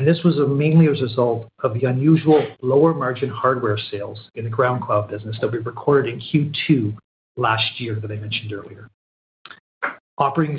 Speaker 4: And this was mainly as a result of the unusual lower margin hardware sales in the Ground Cloud business that we recorded in Q2 last year that I mentioned earlier. Operating